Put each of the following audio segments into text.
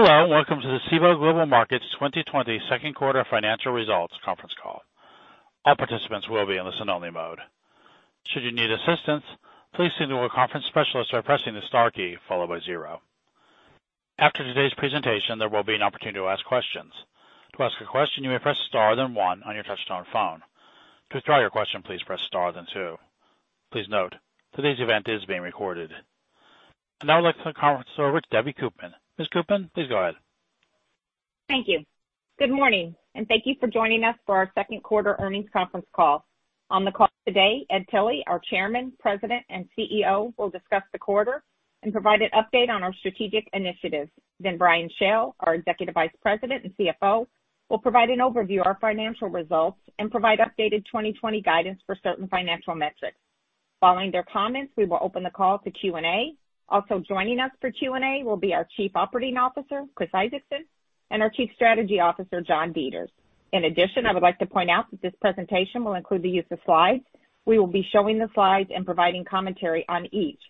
Hello, welcome to the Cboe Global Markets 2020 second quarter financial results conference call. All participants will be in listen-only mode. Should you need assistance, please signal a conference specialist by pressing the star key followed by zero. After today's presentation, there will be an opportunity to ask questions. To ask a question, you may press star then one on your touch-tone phone. To withdraw your question, please press star then two. Please note, today's event is being recorded. I'd now like to turn the conference over to Debbie Koopman. Ms. Koopman, please go ahead. Thank you. Good morning, and thank you for joining us for our second quarter earnings conference call. On the call today, Ed Tilly, our Chairman, President, and CEO, will discuss the quarter and provide an update on our strategic initiatives. Brian Schell, our Executive Vice President and CFO, will provide an overview of our financial results and provide updated 2020 guidance for certain financial metrics. Following their comments, we will open the call to Q&A. Joining us for Q&A will be our Chief Operating Officer, Chris Isaacson, and our Chief Strategy Officer, John Deters. I would like to point out that this presentation will include the use of slides. We will be showing the slides and providing commentary on each.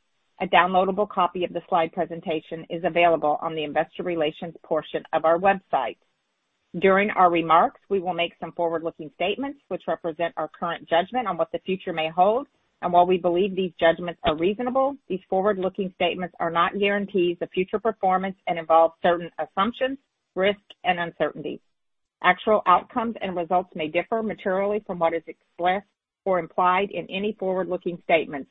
A downloadable copy of the slide presentation is available on the investor relations portion of our website. During our remarks, we will make some forward-looking statements which represent our current judgment on what the future may hold, and while we believe these judgments are reasonable, these forward-looking statements are not guarantees of future performance and involve certain assumptions, risks, and uncertainties. Actual outcomes and results may differ materially from what is expressed or implied in any forward-looking statements.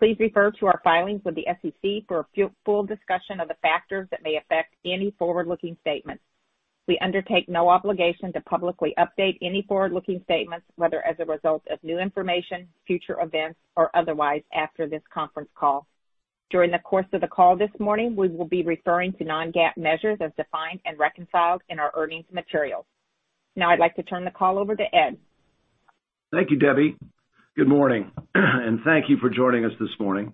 Please refer to our filings with the SEC for a full discussion of the factors that may affect any forward-looking statements. We undertake no obligation to publicly update any forward-looking statements, whether as a result of new information, future events, or otherwise, after this conference call. During the course of the call this morning, we will be referring to non-GAAP measures as defined and reconciled in our earnings materials. I'd like to turn the call over to Ed. Thank you, Debbie. Good morning. Thank you for joining us this morning.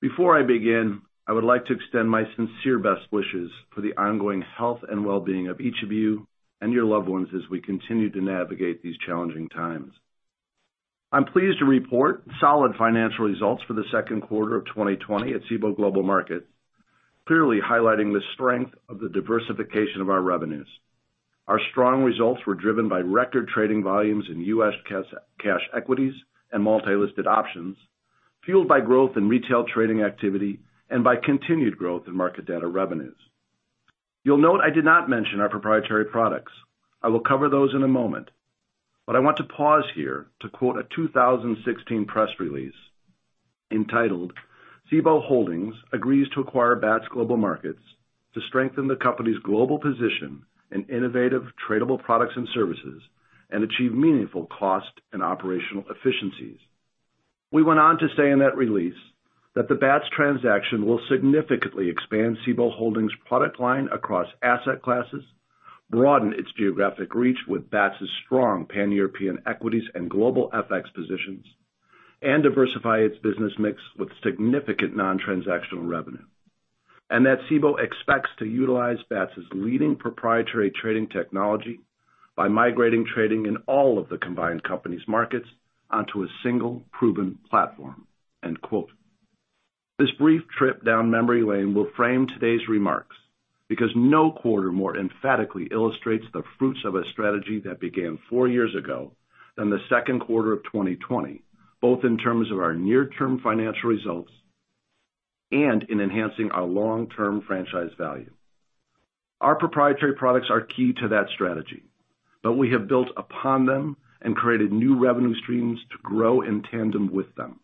Before I begin, I would like to extend my sincere best wishes for the ongoing health and wellbeing of each of you and your loved ones as we continue to navigate these challenging times. I'm pleased to report solid financial results for the second quarter of 2020 at Cboe Global Markets, clearly highlighting the strength of the diversification of our revenues. Our strong results were driven by record trading volumes in U.S. cash equities and multi-listed options, fueled by growth in retail trading activity and by continued growth in market data revenues. You'll note I did not mention our proprietary products. I will cover those in a moment, but I want to pause here to quote a 2016 press release entitled "Cboe Holdings Agrees to Acquire Bats Global Markets to Strengthen the Company's Global Position in Innovative Tradable Products and Services and Achieve Meaningful Cost and Operational Efficiencies." We went on to say in that release that "The Bats transaction will significantly expand Cboe Holdings' product line across asset classes, broaden its geographic reach with Bats' strong Pan-European equities and global FX positions, and diversify its business mix with significant non-transactional revenue" and that Cboe expects to utilize Bats' leading proprietary trading technology by migrating trading in all of the combined company's markets onto a single proven platform. End quote. This brief trip down memory lane will frame today's remarks because no quarter more emphatically illustrates the fruits of a strategy that began four years ago than the second quarter of 2020, both in terms of our near-term financial results and in enhancing our long-term franchise value. Our proprietary products are key to that strategy, but we have built upon them and created new revenue streams to grow in tandem with them.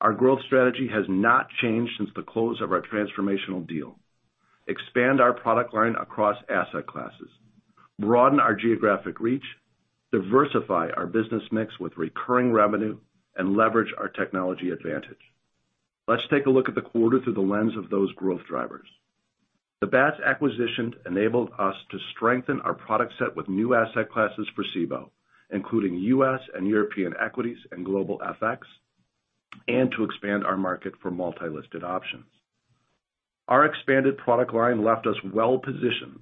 Our growth strategy has not changed since the close of our transformational deal. Expand our product line across asset classes, broaden our geographic reach, diversify our business mix with recurring revenue, and leverage our technology advantage. Let's take a look at the quarter through the lens of those growth drivers. The Bats acquisition enabled us to strengthen our product set with new asset classes for Cboe, including U.S. and European equities and global FX, and to expand our market for multi-listed options. Our expanded product line left us well positioned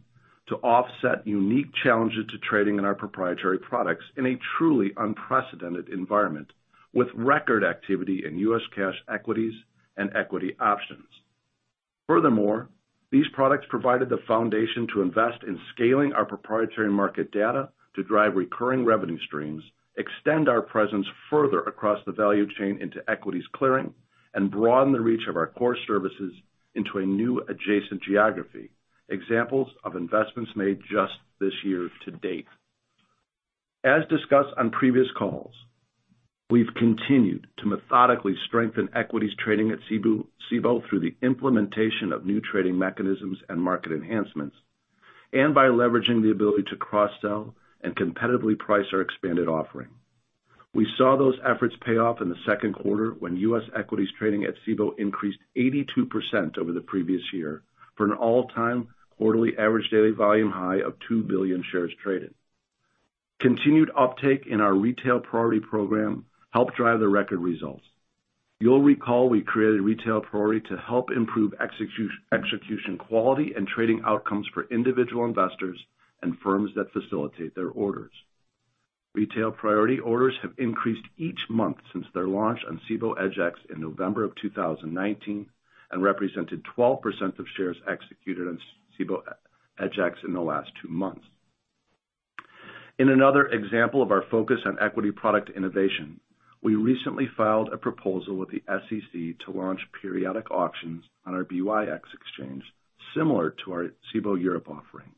to offset unique challenges to trading in our proprietary products in a truly unprecedented environment, with record activity in U.S. cash equities and equity options. Furthermore, these products provided the foundation to invest in scaling our proprietary market data to drive recurring revenue streams, extend our presence further across the value chain into equities clearing, and broaden the reach of our core services into a new adjacent geography. Examples of investments made just this year to date. As discussed on previous calls, we've continued to methodically strengthen equities trading at Cboe through the implementation of new trading mechanisms and market enhancements and by leveraging the ability to cross-sell and competitively price our expanded offering. We saw those efforts pay off in the second quarter when U.S. equities trading at Cboe increased 82% over the previous year for an all-time quarterly average daily volume high of 2 billion shares traded. Continued uptake in our Retail Priority program helped drive the record results. You'll recall we created Retail Priority to help improve execution quality and trading outcomes for individual investors and firms that facilitate their orders. Retail Priority orders have increased each month since their launch on Cboe EDGX in November of 2019, and represented 12% of shares executed on Cboe EDGX in the last two months. In another example of our focus on equity product innovation, we recently filed a proposal with the SEC to launch periodic auctions on our BYX Exchange, similar to our Cboe Europe offering.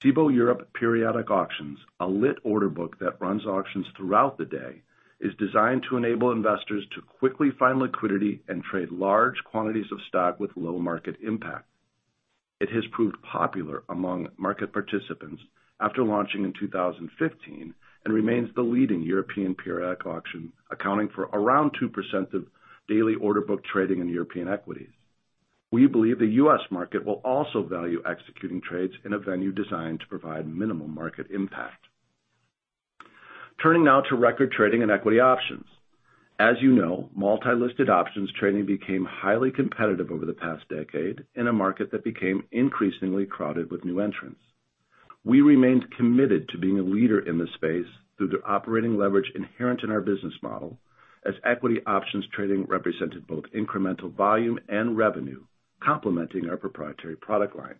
Cboe Europe Periodic Auctions, a lit order book that runs auctions throughout the day, is designed to enable investors to quickly find liquidity and trade large quantities of stock with low market impact. It has proved popular among market participants after launching in 2015 and remains the leading European periodic auction, accounting for around 2% of daily order book trading in European equities. We believe the U.S. market will also value executing trades in a venue designed to provide minimal market impact. Turning now to record trading and equity options. As you know, multi-listed options trading became highly competitive over the past decade in a market that became increasingly crowded with new entrants. We remained committed to being a leader in this space through the operating leverage inherent in our business model, as equity options trading represented both incremental volume and revenue, complementing our proprietary product line.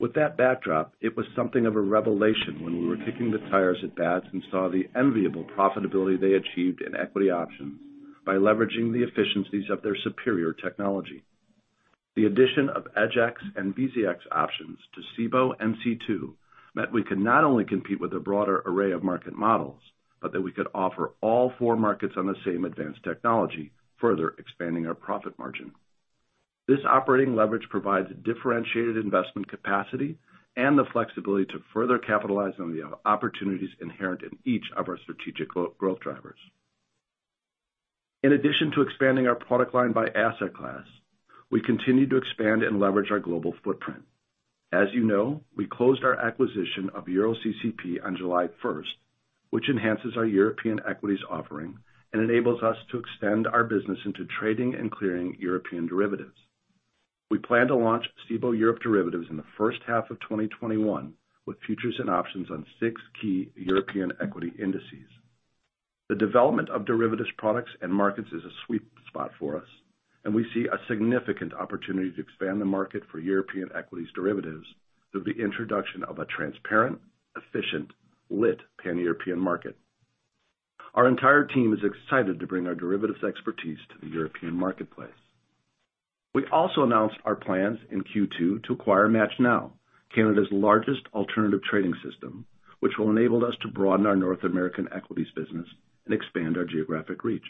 With that backdrop, it was something of a revelation when we were kicking the tires at Bats and saw the enviable profitability they achieved in equity options by leveraging the efficiencies of their superior technology. The addition of EDGX and BZX options to Cboe C2 meant we could not only compete with a broader array of market models, but that we could offer all four markets on the same advanced technology, further expanding our profit margin. This operating leverage provides differentiated investment capacity and the flexibility to further capitalize on the opportunities inherent in each of our strategic growth drivers. In addition to expanding our product line by asset class, we continue to expand and leverage our global footprint. As you know, we closed our acquisition of EuroCCP on July 1st, which enhances our European equities offering and enables us to extend our business into trading and clearing European derivatives. We plan to launch Cboe Europe derivatives in the first half of 2021 with futures and options on six key European equity indices. The development of derivatives products and markets is a sweet spot for us, and we see a significant opportunity to expand the market for European equities derivatives through the introduction of a transparent, efficient, lit Pan-European market. Our entire team is excited to bring our derivatives expertise to the European marketplace. We also announced our plans in Q2 to acquire MATCHNow, Canada's largest alternative trading system, which will enable us to broaden our North American equities business and expand our geographic reach.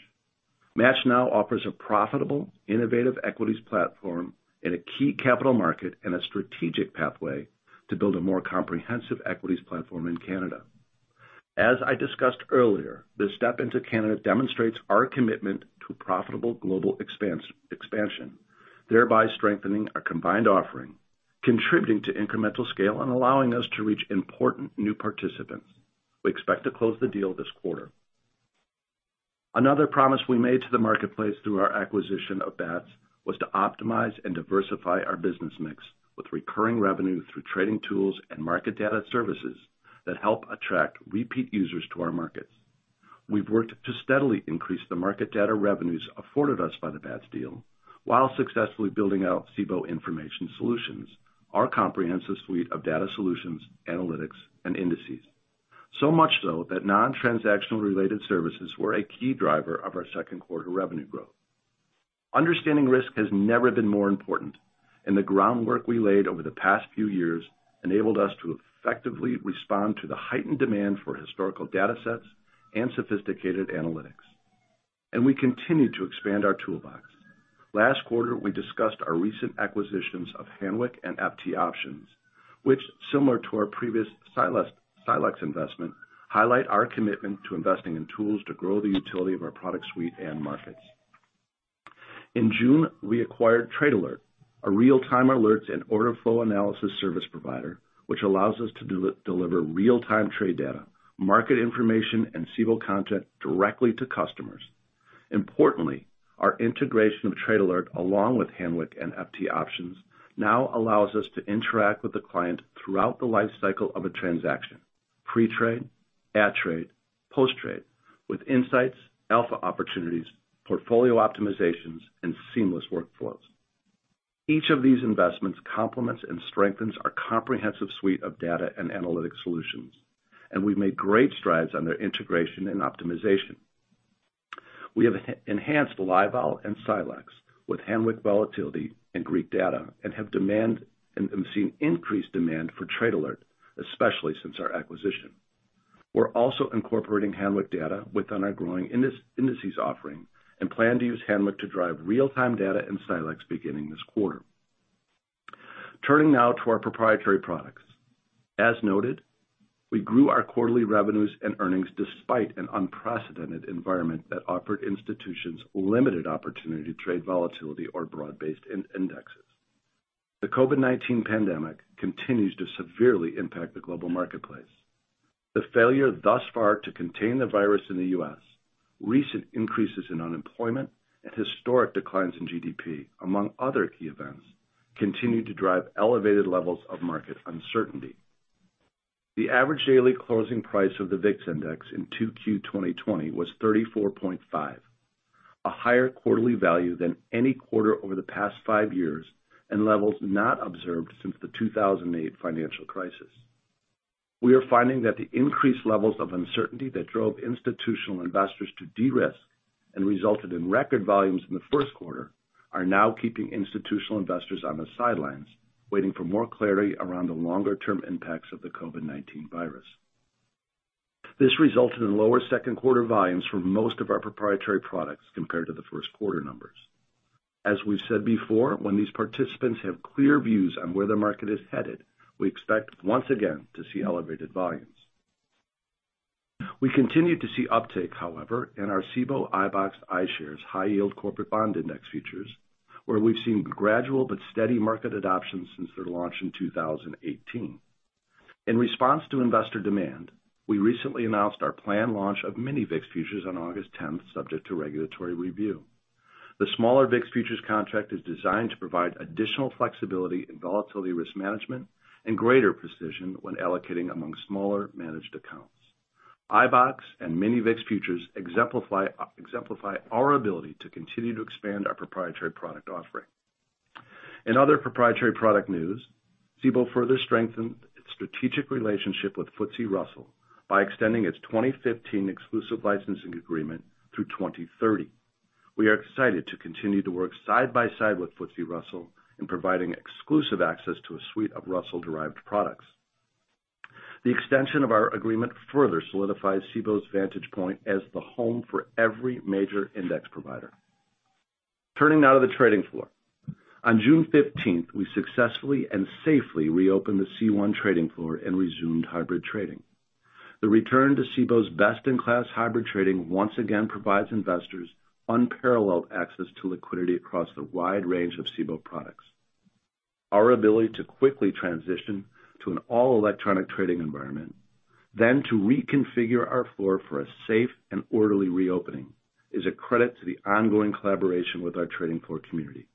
MATCHNow offers a profitable, innovative equities platform in a key capital market and a strategic pathway to build a more comprehensive equities platform in Canada. As I discussed earlier, this step into Canada demonstrates our commitment to profitable global expansion, thereby strengthening our combined offering, contributing to incremental scale, and allowing us to reach important new participants. We expect to close the deal this quarter. Another promise we made to the marketplace through our acquisition of Bats was to optimize and diversify our business mix with recurring revenue through trading tools and market data services that help attract repeat users to our markets. We've worked to steadily increase the market data revenues afforded us by the Bats deal while successfully building out Cboe Information Solutions, our comprehensive suite of data solutions, analytics, and indices. Much so that non-transactional related services were a key driver of our second quarter revenue growth. The groundwork we laid over the past few years enabled us to effectively respond to the heightened demand for historical datasets and sophisticated analytics. We continue to expand our toolbox. Last quarter, we discussed our recent acquisitions of Hanweck and FT Options, which similar to our previous Silexx investment, highlight our commitment to investing in tools to grow the utility of our product suite and markets. In June, we acquired Trade Alert, a real-time alerts and order flow analysis service provider, which allows us to deliver real-time trade data, market information, and Cboe content directly to customers. Importantly, our integration of Trade Alert, along with Hanweck and FT Options, now allows us to interact with the client throughout the life cycle of a transaction, pre-trade, at trade, post-trade, with insights, alpha opportunities, portfolio optimizations, and seamless workflows. Each of these investments complements and strengthens our comprehensive suite of data and analytic solutions, and we've made great strides on their integration and optimization. We have enhanced LiveVol and Silexx with Hanweck Volatility and Greek data and have seen increased demand for Trade Alert, especially since our acquisition. We're also incorporating Hanweck data within our growing indices offering and plan to use Hanweck to drive real-time data in Silexx beginning this quarter. Turning now to our proprietary products. As noted, we grew our quarterly revenues and earnings despite an unprecedented environment that offered institutions limited opportunity to trade volatility or broad-based indices. The COVID-19 pandemic continues to severely impact the global marketplace. The failure thus far to contain the virus in the U.S. Recent increases in unemployment and historic declines in GDP, among other key events, continued to drive elevated levels of market uncertainty. The average daily closing price of the VIX Index in 2Q 2020 was 34.5, a higher quarterly value than any quarter over the past five years, and levels not observed since the 2008 financial crisis. We are finding that the increased levels of uncertainty that drove institutional investors to de-risk and resulted in record volumes in the first quarter are now keeping institutional investors on the sidelines, waiting for more clarity around the longer-term impacts of the COVID-19 virus. This resulted in lower second quarter volumes for most of our proprietary products compared to the first quarter numbers. As we've said before, when these participants have clear views on where the market is headed, we expect, once again, to see elevated volumes. We continued to see uptake, however, in our Cboe iBoxx iShares High Yield Corporate Bond Index futures, where we've seen gradual but steady market adoption since their launch in 2018. In response to investor demand, we recently announced our planned launch of Mini VIX futures on August 10th, subject to regulatory review. The smaller VIX futures contract is designed to provide additional flexibility in volatility risk management and greater precision when allocating among smaller managed accounts. iBoxx and Mini VIX futures exemplify our ability to continue to expand our proprietary product offering. In other proprietary product news, Cboe further strengthened its strategic relationship with FTSE Russell by extending its 2015 exclusive licensing agreement through 2030. We are excited to continue to work side by side with FTSE Russell in providing exclusive access to a suite of Russell-derived products. The extension of our agreement further solidifies Cboe's vantage point as the home for every major index provider. Turning now to the trading floor. On June 15th, we successfully and safely reopened the C1 trading floor and resumed hybrid trading. The return to Cboe's best-in-class hybrid trading once again provides investors unparalleled access to liquidity across a wide range of Cboe products. Our ability to quickly transition to an all-electronic trading environment, then to reconfigure our floor for a safe and orderly reopening, is a credit to the ongoing collaboration with our trading floor community.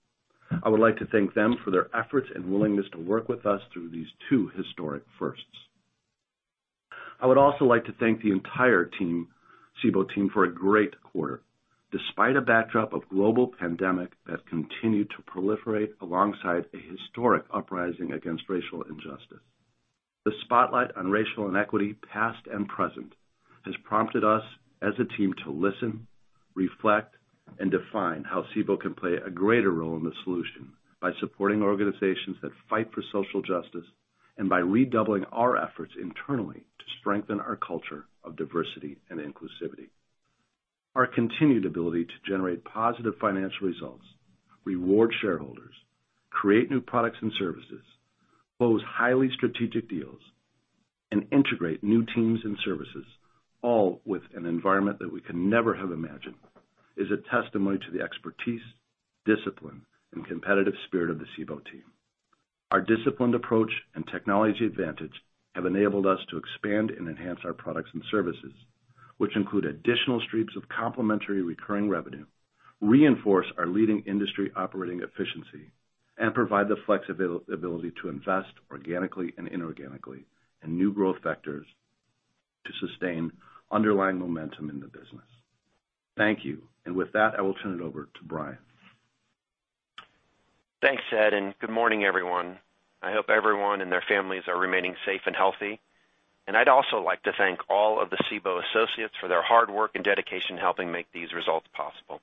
I would like to thank them for their efforts and willingness to work with us through these two historic firsts. I would also like to thank the entire Cboe team for a great quarter, despite a backdrop of global pandemic that continued to proliferate alongside a historic uprising against racial injustice. The spotlight on racial inequity, past and present, has prompted us as a team to listen, reflect, and define how Cboe can play a greater role in the solution by supporting organizations that fight for social justice, and by redoubling our efforts internally to strengthen our culture of diversity and inclusivity. Our continued ability to generate positive financial results, reward shareholders, create new products and services, close highly strategic deals, and integrate new teams and services, all with an environment that we could never have imagined, is a testimony to the expertise, discipline, and competitive spirit of the Cboe team. Our disciplined approach and technology advantage have enabled us to expand and enhance our products and services, which include additional streams of complementary recurring revenue, reinforce our leading industry operating efficiency, and provide the flexibility to invest organically and inorganically in new growth vectors to sustain underlying momentum in the business. Thank you. With that, I will turn it over to Brian. Thanks, Ed, and good morning, everyone. I hope everyone and their families are remaining safe and healthy. I'd also like to thank all of the Cboe associates for their hard work and dedication in helping make these results possible.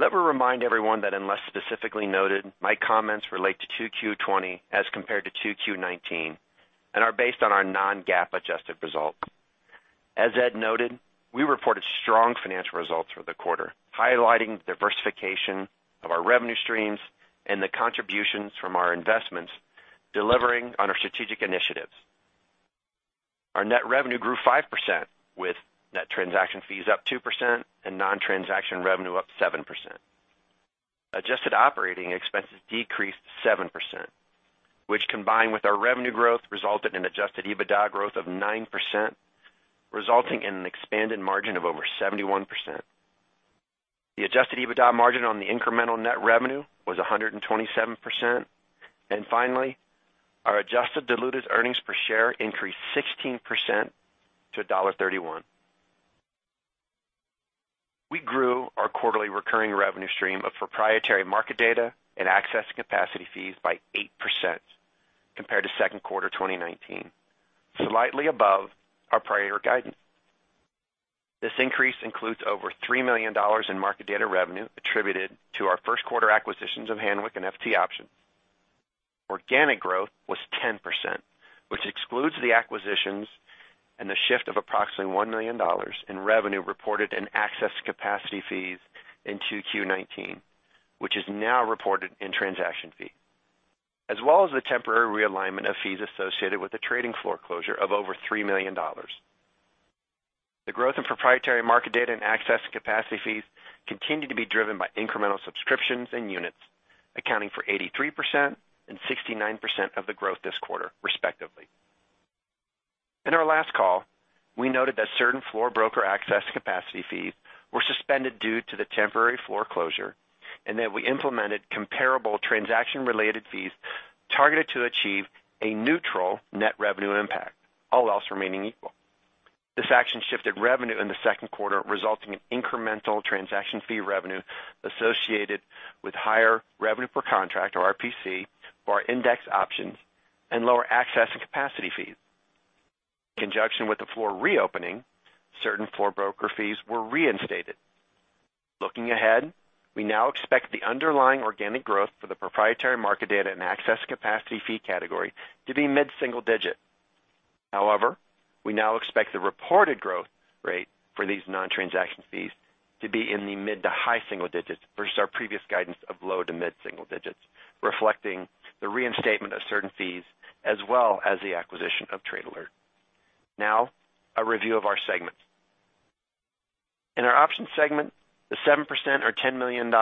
Let me remind everyone that unless specifically noted, my comments relate to 2Q20 as compared to 2Q19 and are based on our non-GAAP adjusted results. As Ed noted, we reported strong financial results for the quarter, highlighting the diversification of our revenue streams and the contributions from our investments delivering on our strategic initiatives. Our net revenue grew 5%, with net transaction fees up 2% and non-transaction revenue up 7%. Adjusted operating expenses decreased 7%, which combined with our revenue growth, resulted in adjusted EBITDA growth of 9%, resulting in an expanded margin of over 71%. The adjusted EBITDA margin on the incremental net revenue was 127%. Finally, our adjusted diluted earnings per share increased 16% to $1.31. We grew our quarterly recurring revenue stream of proprietary market data and access capacity fees by 8% compared to second quarter 2019, slightly above our prior guidance. This increase includes over $3 million in market data revenue attributed to our first quarter acquisitions of Hanweck and FT Options. Organic growth was 10%, which excludes the acquisitions and the shift of approximately $1 million in revenue reported in access capacity fees in 2Q19, which is now reported in transaction fee, as well as the temporary realignment of fees associated with the trading floor closure of over $3 million. The growth in proprietary market data and access and capacity fees continued to be driven by incremental subscriptions and units, accounting for 83% and 69% of the growth this quarter respectively. In our last call, we noted that certain floor broker access capacity fees were suspended due to the temporary floor closure, and that we implemented comparable transaction-related fees targeted to achieve a neutral net revenue impact, all else remaining equal. This action shifted revenue in the second quarter, resulting in incremental transaction fee revenue associated with higher revenue per contract, or RPC, for our index options and lower access and capacity fees. In conjunction with the floor reopening, certain floor broker fees were reinstated. Looking ahead, we now expect the underlying organic growth for the proprietary market data and access capacity fee category to be mid-single digit. However, we now expect the reported growth rate for these non-transaction fees to be in the mid to high single digits versus our previous guidance of low to mid single digits, reflecting the reinstatement of certain fees as well as the acquisition of Trade Alert. Now, a review of our segments. In our options segment, the 7% or $10 million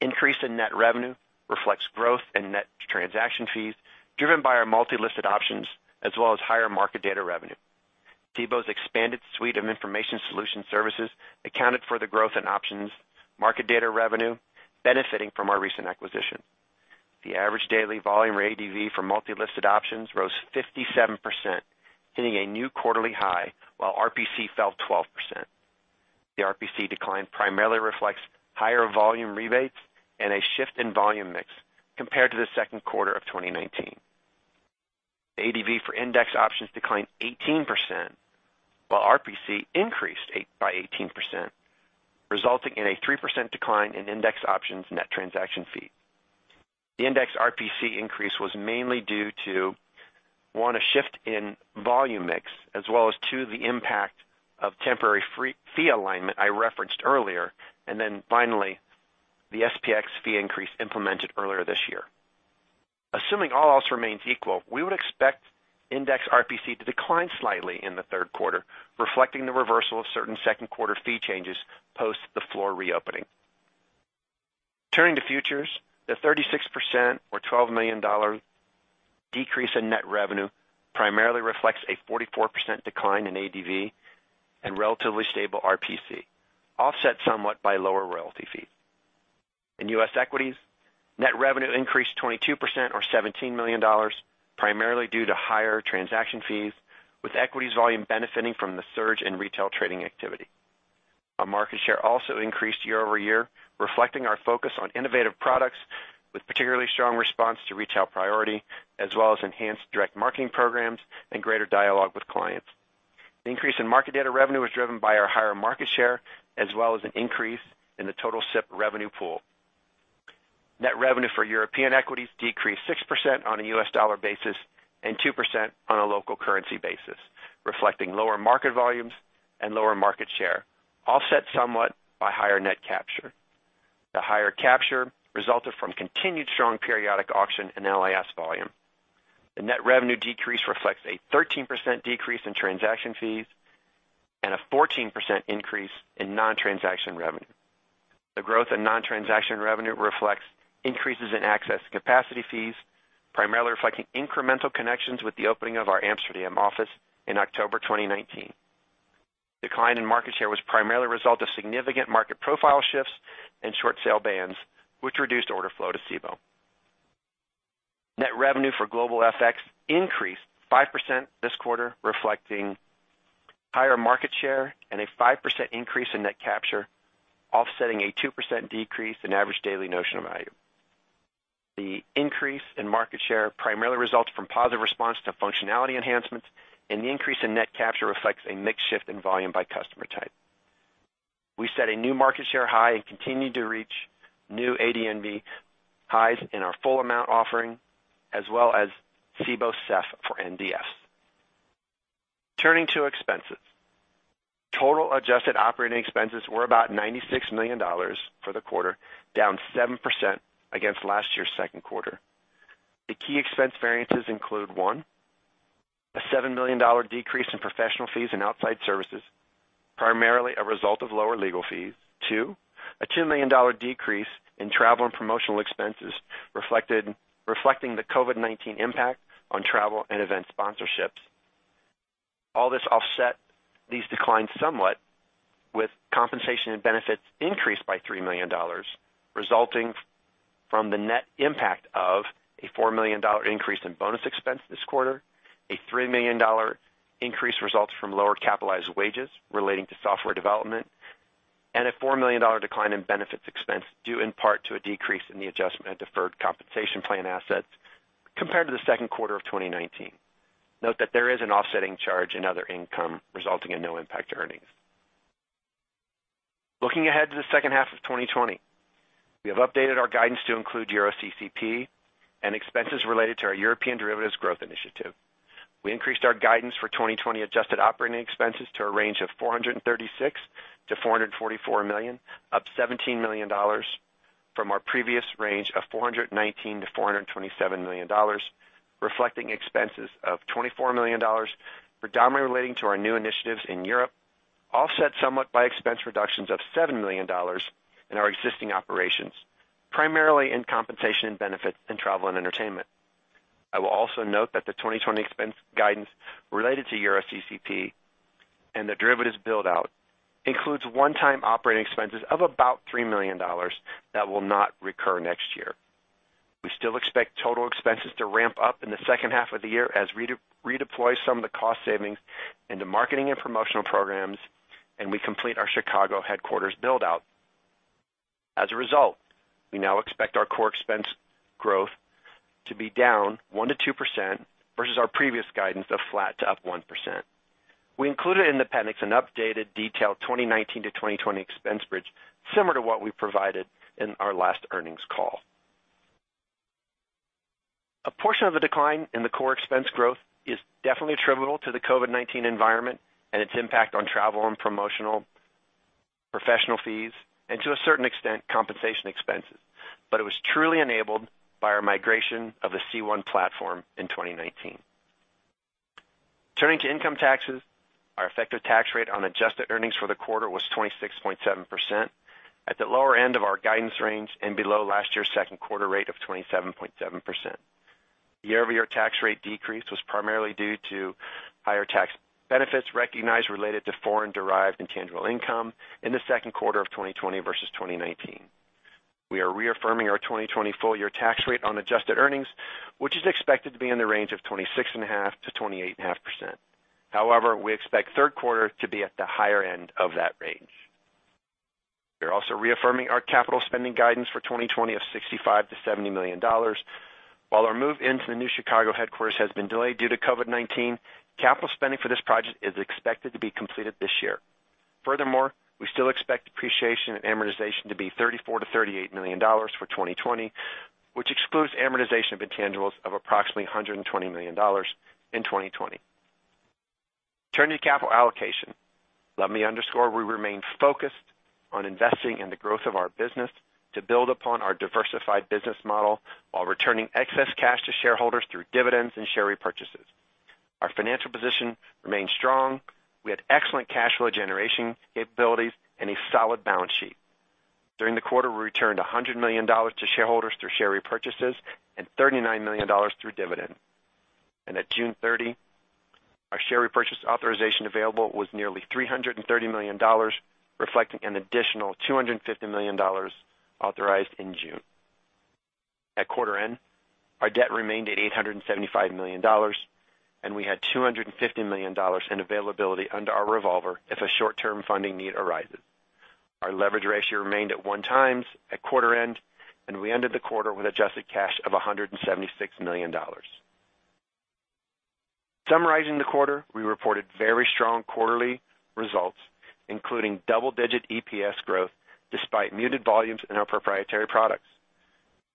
increase in net revenue reflects growth in net transaction fees driven by our multi-listed options as well as higher market data revenue. Cboe's expanded suite of Information Solutions services accounted for the growth in options market data revenue benefiting from our recent acquisition. The average daily volume or ADV for multi-listed options rose 57%, hitting a new quarterly high, while RPC fell 12%. The RPC decline primarily reflects higher volume rebates and a shift in volume mix compared to the second quarter of 2019. ADV for index options declined 18%, while RPC increased by 18%, resulting in a 3% decline in index options net transaction fee. The index RPC increase was mainly due to, one, a shift in volume mix as well as, two, the impact of temporary fee alignment I referenced earlier, finally, the SPX fee increase implemented earlier this year. Assuming all else remains equal, we would expect index RPC to decline slightly in the third quarter, reflecting the reversal of certain second quarter fee changes post the floor reopening. Turning to futures, the 36% or $12 million decrease in net revenue primarily reflects a 44% decline in ADV and relatively stable RPC, offset somewhat by lower royalty fees. In U.S. equities, net revenue increased 22% or $17 million, primarily due to higher transaction fees, with equities volume benefiting from the surge in retail trading activity. Our market share also increased year-over-year, reflecting our focus on innovative products with particularly strong response to Retail Priority as well as enhanced direct marketing programs and greater dialogue with clients. The increase in market data revenue was driven by our higher market share as well as an increase in the total SIP revenue pool. Net revenue for European equities decreased 6% on a U.S. dollar basis and 2% on a local currency basis, reflecting lower market volumes and lower market share, offset somewhat by higher net capture. The higher capture resulted from continued strong Periodic Auctions and LIS volume. The net revenue decrease reflects a 13% decrease in transaction fees and a 14% increase in non-transaction revenue. The growth in non-transaction revenue reflects increases in access capacity fees, primarily reflecting incremental connections with the opening of our Amsterdam office in October 2019. Decline in market share was primarily a result of significant market profile shifts and short sale bans, which reduced order flow to Cboe. Net revenue for global FX increased 5% this quarter, reflecting higher market share and a 5% increase in net capture, offsetting a 2% decrease in average daily notional value. The increase in market share primarily results from positive response to functionality enhancements, and the increase in net capture reflects a mix shift in volume by customer type. We set a new market share high and continued to reach new ADNV highs in our full amount offering as well as Cboe SEF for NDF. Turning to expenses. Total adjusted operating expenses were about $96 million for the quarter, down 7% against last year's second quarter. The key expense variances include, one, a $7 million decrease in professional fees and outside services, primarily a result of lower legal fees. Two, a $2 million decrease in travel and promotional expenses reflecting the COVID-19 impact on travel and event sponsorships. All this offset these declines somewhat with compensation and benefits increased by $3 million, resulting from the net impact of a $4 million increase in bonus expense this quarter, a $3 million increase results from lower capitalized wages relating to software development, and a $4 million decline in benefits expense due in part to a decrease in the adjustment of deferred compensation plan assets compared to the second quarter of 2019. Note that there is an offsetting charge in other income resulting in no impact to earnings. Looking ahead to the second half of 2020, we have updated our guidance to include EuroCCP and expenses related to our European derivatives growth initiative. We increased our guidance for 2020 adjusted operating expenses to a range of $436 million-$444 million, up $17 million from our previous range of $419 million-$427 million, reflecting expenses of $24 million predominantly relating to our new initiatives in Europe, offset somewhat by expense reductions of $7 million in our existing operations, primarily in compensation and benefits and travel and entertainment. I will also note that the 2020 expense guidance related to EuroCCP and the derivatives build-out includes one-time operating expenses of about $3 million that will not recur next year. We still expect total expenses to ramp up in the second half of the year as we redeploy some of the cost savings into marketing and promotional programs, and we complete our Chicago headquarters build-out. As a result, we now expect our core expense growth to be down 1%-2%, versus our previous guidance of flat to up 1%. We included in the appendix an updated detailed 2019 to 2020 expense bridge, similar to what we provided in our last earnings call. A portion of the decline in the core expense growth is definitely attributable to the COVID-19 environment and its impact on travel and promotional professional fees, and to a certain extent, compensation expenses. It was truly enabled by our migration of the C1 platform in 2019. Turning to income taxes, our effective tax rate on adjusted earnings for the quarter was 26.7%, at the lower end of our guidance range and below last year's second quarter rate of 27.7%. The year-over-year tax rate decrease was primarily due to higher tax benefits recognized related to foreign-derived intangible income in the second quarter of 2020 versus 2019. We are reaffirming our 2020 full-year tax rate on adjusted earnings, which is expected to be in the range of 26.5%-28.5%. We expect the third quarter to be at the higher end of that range. We're also reaffirming our capital spending guidance for 2020 of $65 million-$70 million. While our move into the new Chicago headquarters has been delayed due to COVID-19, capital spending for this project is expected to be completed this year. We still expect depreciation and amortization to be $34 million-$38 million for 2020, which excludes amortization of intangibles of approximately $120 million in 2020. Turning to capital allocation, let me underscore, we remain focused on investing in the growth of our business to build upon our diversified business model while returning excess cash to shareholders through dividends and share repurchases. Our financial position remains strong. We had excellent cash flow generation capabilities and a solid balance sheet. During the quarter, we returned $100 million to shareholders through share repurchases and $39 million through dividends. At June 30, our share repurchase authorization available was nearly $330 million, reflecting an additional $250 million authorized in June. At quarter end, our debt remained at $875 million, and we had $250 million in availability under our revolver if a short-term funding need arises. Our leverage ratio remained at 1x at quarter end, and we ended the quarter with adjusted cash of $176 million. Summarizing the quarter, we reported very strong quarterly results, including double-digit EPS growth despite muted volumes in our proprietary products.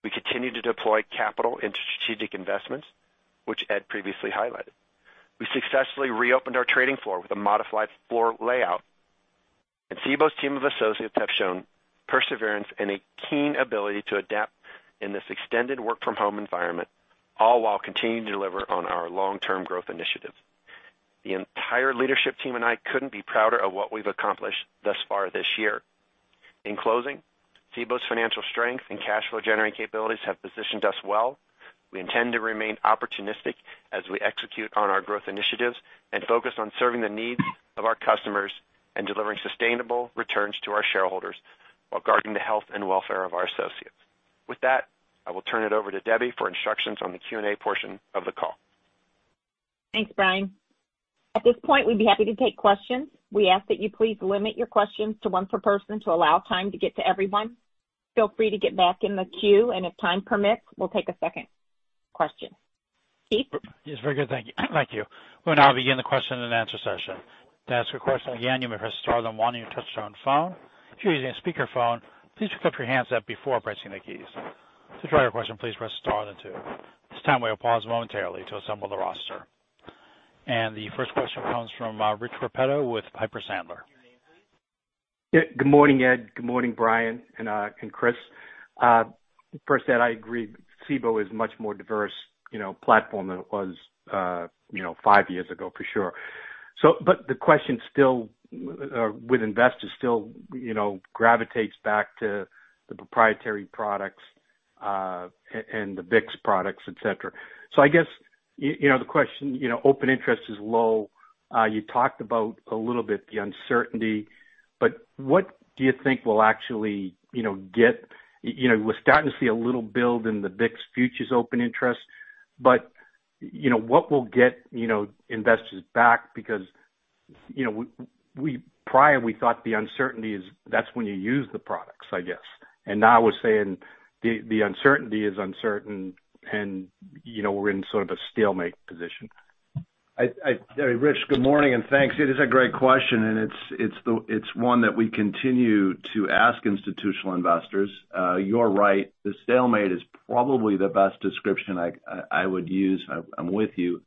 We continued to deploy capital into strategic investments, which Ed previously highlighted. We successfully reopened our trading floor with a modified floor layout. Cboe's team of associates have shown perseverance and a keen ability to adapt in this extended work-from-home environment, all while continuing to deliver on our long-term growth initiatives. The entire leadership team and I couldn't be prouder of what we've accomplished thus far this year. In closing, Cboe's financial strength and cash flow-generating capabilities have positioned us well. We intend to remain opportunistic as we execute on our growth initiatives and focus on serving the needs of our customers and delivering sustainable returns to our shareholders while guarding the health and welfare of our associates. With that, I will turn it over to Debbie for instructions on the Q&A portion of the call. Thanks, Brian. At this point, we'd be happy to take questions. We ask that you please limit your questions to one per person to allow time to get to everyone. Feel free to get back in the queue, and if time permits, we'll take a second question. Keith? Yes. Very good, thank you. We'll now begin the question and answer session. To ask a question, again, you may press star then one on your touchtone phone. If you're using a speakerphone, please put your hands up before pressing the keys. To withdraw your question, please press star then two. At this time, we'll pause momentarily to assemble the roster. The first question comes from Rich Repetto with Piper Sandler. State your name, please. Good morning, Ed. Good morning, Brian and Chris. First, Ed, I agree, Cboe is a much more diverse platform than it was five years ago, for sure. The question with investors still gravitates back to the proprietary products and the VIX products, et cetera. I guess the question, open interest is low. You talked about a little bit the uncertainty. We're starting to see a little build in the VIX futures open interest, but what will get investors back? Prior we thought the uncertainty is that's when you use the products, I guess. Now we're saying the uncertainty is uncertain, and we're in sort of a stalemate position. Rich, good morning. Thanks. It is a great question, and it's one that we continue to ask institutional investors. You're right, the stalemate is probably the best description I would use. I'm with you.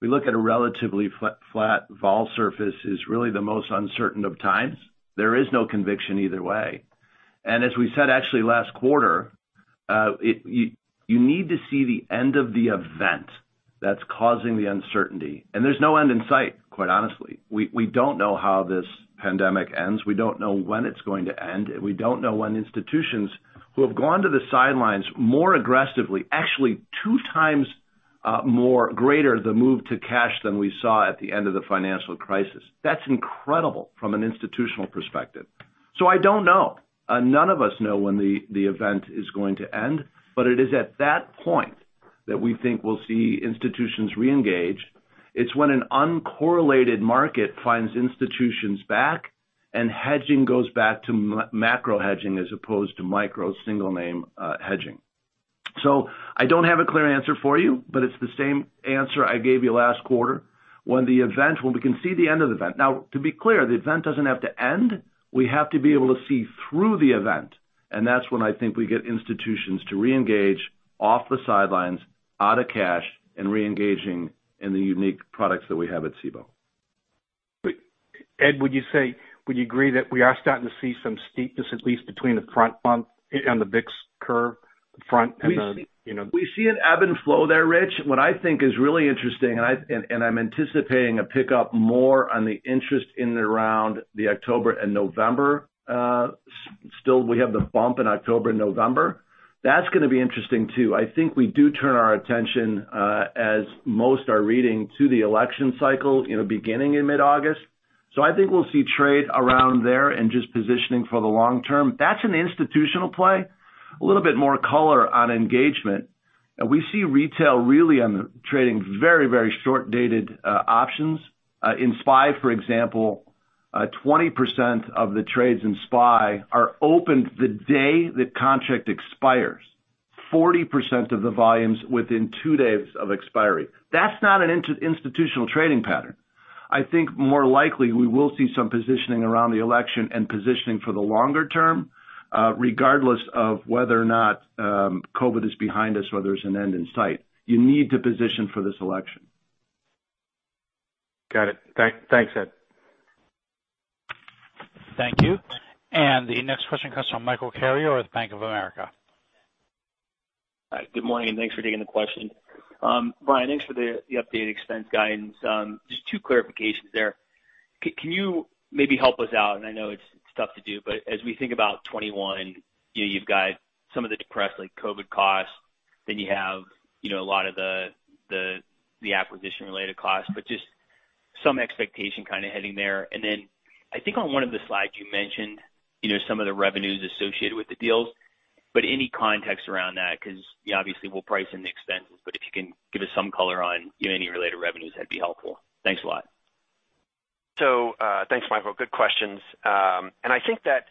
We look at a relatively flat vol surface as really the most uncertain of times. There is no conviction either way. As we said, actually last quarter. You need to see the end of the event that's causing the uncertainty, and there's no end in sight, quite honestly. We don't know how this pandemic ends. We don't know when it's going to end. We don't know when institutions who have gone to the sidelines more aggressively, actually 2x more greater the move to cash than we saw at the end of the financial crisis. That's incredible from an institutional perspective. I don't know. None of us know when the event is going to end, but it is at that point that we think we'll see institutions reengage. It's when an uncorrelated market finds institutions back, and hedging goes back to macro hedging as opposed to micro single name hedging. I don't have a clear answer for you, but it's the same answer I gave you last quarter. When we can see the end of the event. To be clear, the event doesn't have to end. We have to be able to see through the event, that's when I think we get institutions to reengage off the sidelines, out of cash, and re-engaging in the unique products that we have at Cboe. Ed, would you agree that we are starting to see some steepness, at least between the front bump on the VIX curve? We see an ebb and flow there, Rich. I'm anticipating a pickup more on the interest in around the October and November. We have the bump in October and November. That's going to be interesting, too. I think we do turn our attention, as most are reading, to the election cycle beginning in mid-August. I think we'll see trade around there and just positioning for the long term. That's an institutional play. A little bit more color on engagement. We see retail really on the trading very, very short-dated options. In SPY, for example, 20% of the trades in SPY are opened the day the contract expires, 40% of the volumes within two days of expiry. That's not an institutional trading pattern. I think more likely we will see some positioning around the election and positioning for the longer term, regardless of whether or not COVID is behind us or there's an end in sight. You need to position for this election. Got it. Thanks, Ed. Thank you. The next question comes from Michael Carrier with Bank of America. Good morning, thanks for taking the question. Brian, thanks for the updated expense guidance. Just two clarifications there. Can you maybe help us out, and I know it's tough to do, but as we think about 2021, you've got some of the depressed COVID costs, then you have a lot of the acquisition-related costs, but just some expectation kind of heading there. Then I think on one of the slides you mentioned some of the revenues associated with the deals, but any context around that? Obviously we'll price in the expenses, but if you can give us some color on any related revenues, that'd be helpful. Thanks a lot. Thanks, Michael. Good questions. I think that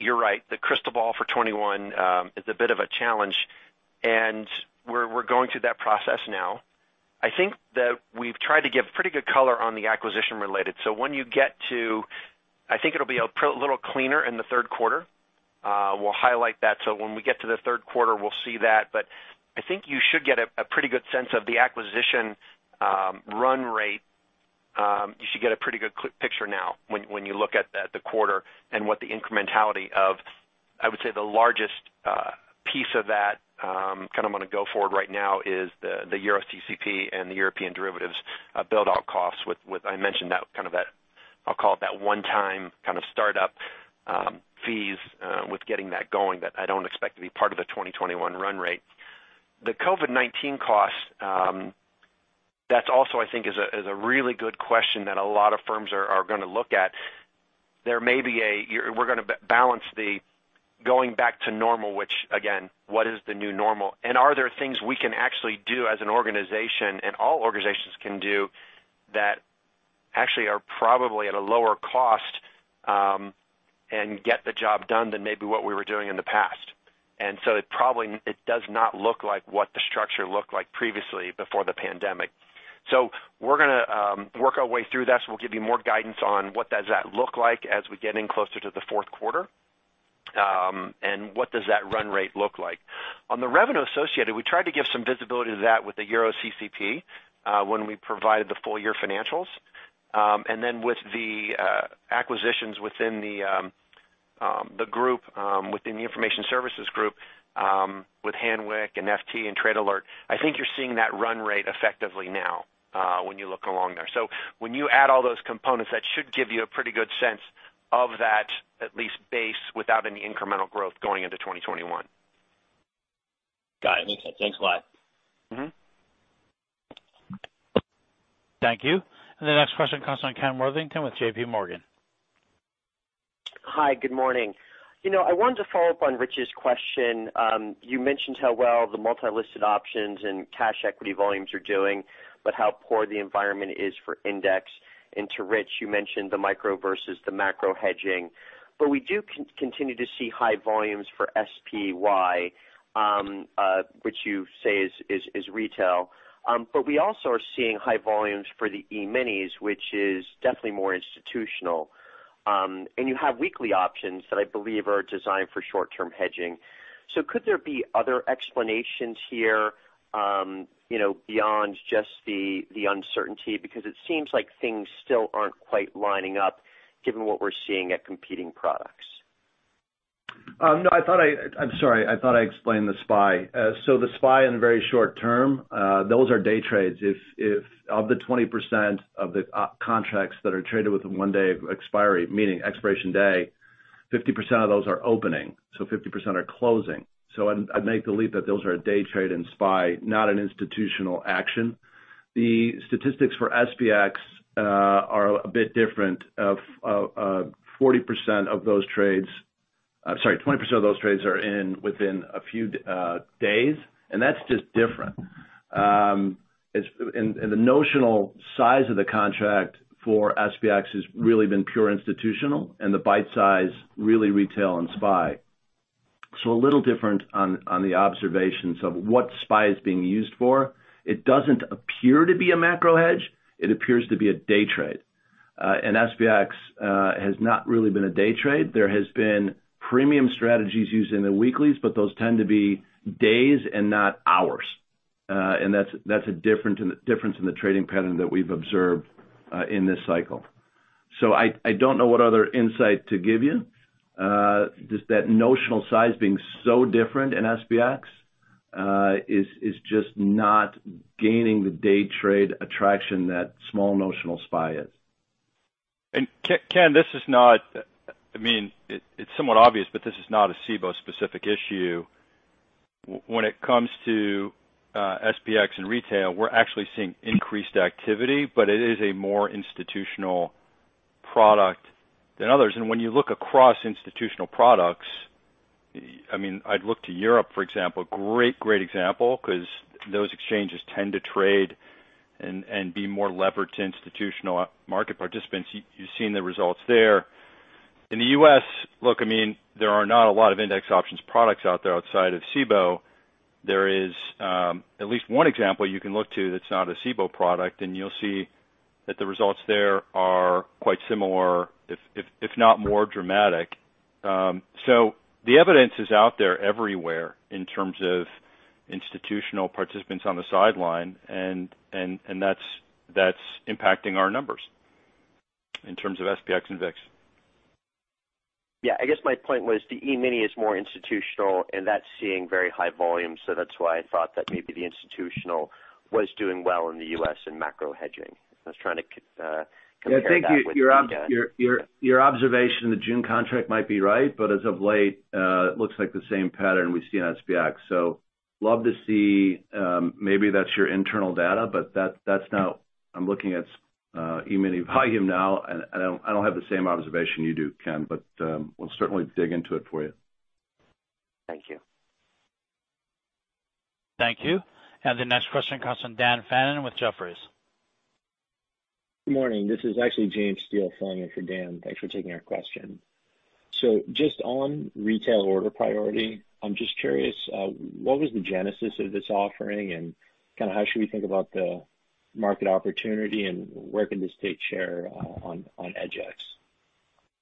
you're right. The crystal ball for 2021 is a bit of a challenge, and we're going through that process now. I think that we've tried to give pretty good color on the acquisition-related. When you get to, I think it'll be a little cleaner in the third quarter. We'll highlight that, so when we get to the third quarter, we'll see that. I think you should get a pretty good sense of the acquisition run rate. You should get a pretty good picture now when you look at the quarter and what the incrementality of, I would say, the largest piece of that, kind of on a go forward right now is the EuroCCP and the European derivatives build-out costs with, I mentioned that kind of that, I'll call it that one-time kind of startup fees with getting that going that I don't expect to be part of the 2021 run rate. The COVID-19 cost, that's also, I think is a really good question that a lot of firms are going to look at. We're going to balance the going back to normal, which again, what is the new normal? Are there things we can actually do as an organization and all organizations can do that actually are probably at a lower cost and get the job done than maybe what we were doing in the past. It does not look like what the structure looked like previously before the pandemic. We're going to work our way through this. We'll give you more guidance on what does that look like as we get in closer to the fourth quarter, and what does that run rate look like. On the revenue associated, we tried to give some visibility to that with the EuroCCP when we provided the full year financials. With the acquisitions within the group, within the information services group, with Hanweck and FT and Trade Alert, I think you're seeing that run rate effectively now when you look along there. When you add all those components, that should give you a pretty good sense of that at least base without any incremental growth going into 2021. Got it. Okay. Thanks a lot. Thank you. The next question comes from Ken Worthington with JPMorgan. Hi, good morning. I wanted to follow up on Rich's question. You mentioned how well the multi-listed options and cash equity volumes are doing, but how poor the environment is for index. To Rich, you mentioned the micro versus the macro hedging. We do continue to see high volumes for SPY, which you say is retail. We also are seeing high volumes for the E-minis, which is definitely more institutional. You have weekly options that I believe are designed for short-term hedging. Could there be other explanations here, beyond just the uncertainty? It seems like things still aren't quite lining up given what we're seeing at competing products. I'm sorry, I thought I explained the SPY. The SPY in the very short term, those are day trades. Of the 20% of the contracts that are traded with a one-day expiry, meaning expiration day, 50% of those are opening, 50% are closing. I'd make the leap that those are a day trade in SPY, not an institutional action. The statistics for SPX are a bit different. 40% of those trades, sorry, 20% of those trades are in within a few days, that's just different. The notional size of the contract for SPX has really been pure institutional and the bite size, really retail and SPY. A little different on the observations of what SPY is being used for. It doesn't appear to be a macro hedge. It appears to be a day trade. SPX has not really been a day trade. There has been premium strategies used in the weeklies, but those tend to be days and not hours. That's a difference in the trading pattern that we've observed in this cycle. I don't know what other insight to give you. Just that notional size being so different in SPX is just not gaining the day trade attraction that small notional SPY is. Ken, this is not, it's somewhat obvious, but this is not a Cboe specific issue. When it comes to SPX and retail, we're actually seeing increased activity, but it is a more institutional product than others. When you look across institutional products, I'd look to Europe, for example, great example, because those exchanges tend to trade and be more levered to institutional market participants. You've seen the results there. In the U.S., look, there are not a lot of index options products out there outside of Cboe. There is at least one example you can look to that's not a Cboe product, and you'll see that the results there are quite similar, if not more dramatic. The evidence is out there everywhere in terms of institutional participants on the sideline, and that's impacting our numbers in terms of SPX and VIX. Yeah, I guess my point was the E-mini is more institutional, and that's seeing very high volume, so that's why I thought that maybe the institutional was doing well in the U.S. in macro hedging. I was trying to compare that with. I think your observation on the June contract might be right, but as of late, it looks like the same pattern we see on SPX. Love to see, maybe that's your internal data. I'm looking at E-Mini volume now, and I don't have the same observation you do, Ken, but we'll certainly dig into it for you. Thank you. Thank you. The next question comes from Daniel Fannon with Jefferies. Good morning. This is actually James Steele filling in for Dan. Thanks for taking our question. Just on Retail Priority, I'm just curious, what was the genesis of this offering and how should we think about the market opportunity and where can this take share on EDGX?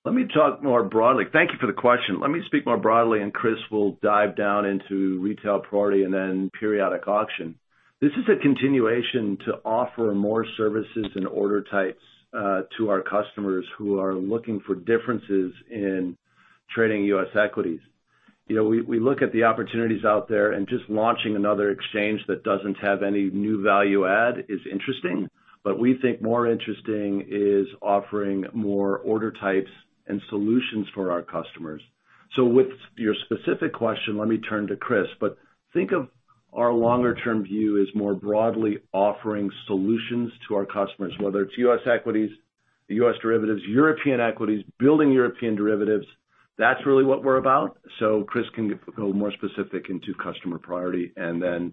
Let me talk more broadly. Thank you for the question. Let me speak more broadly and Chris will dive down into Retail Priority and then Periodic Auction. This is a continuation to offer more services and order types to our customers who are looking for differences in trading U.S. equities. We look at the opportunities out there and just launching another exchange that doesn't have any new value add is interesting, but we think more interesting is offering more order types and solutions for our customers. With your specific question, let me turn to Chris, but think of our longer term view as more broadly offering solutions to our customers, whether it's U.S. equities, U.S. derivatives, European equities, building European derivatives. That's really what we're about. Chris can go more specific into Customer Priority and then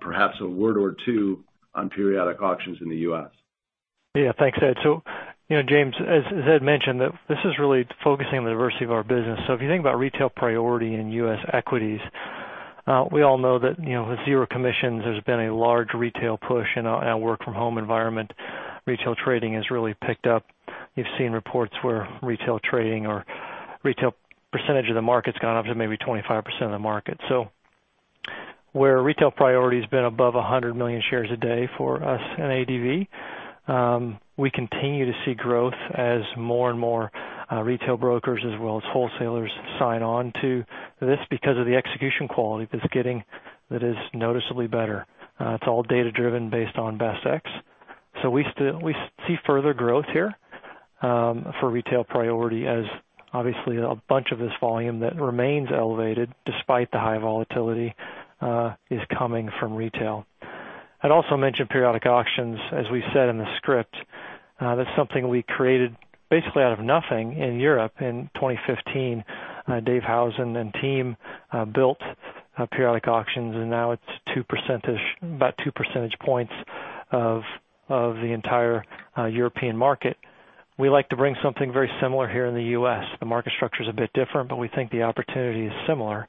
perhaps a word or two on Periodic Auctions in the U.S. Thanks, Ed. James, as Ed mentioned, this is really focusing on the diversity of our business. If you think about Retail Priority in U.S. equities, we all know that with zero commissions, there's been a large retail push in our work from home environment. Retail trading has really picked up. You've seen reports where retail trading or retail percentage of the market's gone up to maybe 25% of the market. Where Retail Priority has been above 100 million shares a day for us in ADV, we continue to see growth as more and more retail brokers as well as wholesalers sign on to this because of the execution quality that is noticeably better. It's all data-driven based on BestEx. We see further growth here for Retail Priority as obviously a bunch of this volume that remains elevated despite the high volatility, is coming from retail. I'd also mention periodic auctions, as we said in the script. That's something we created basically out of nothing in Europe in 2015. Dave Howson and team built periodic auctions, and now it's about two percentage points of the entire European market. We like to bring something very similar here in the U.S. The market structure is a bit different, but we think the opportunity is similar,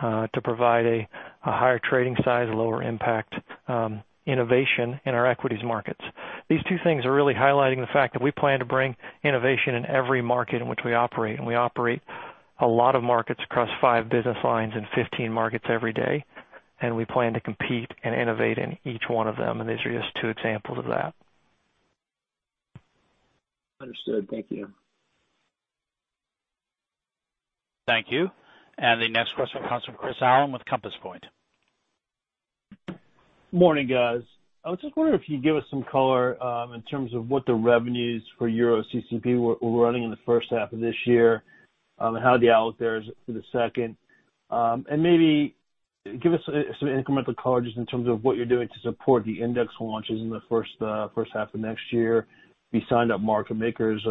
to provide a higher trading size, a lower impact innovation in our equities markets. These two things are really highlighting the fact that we plan to bring innovation in every market in which we operate. We operate a lot of markets across five business lines and 15 markets every day. We plan to compete and innovate in each one of them. These are just two examples of that. Understood. Thank you. Thank you. The next question comes from Chris Allen with Compass Point. Morning, guys. I was just wondering if you could give us some color, in terms of what the revenues for EuroCCP were running in the first half of this year, and how the outlook there is for the second. Maybe give us some incremental colors in terms of what you're doing to support the index launches in the first half of next year. Have you signed up market makers?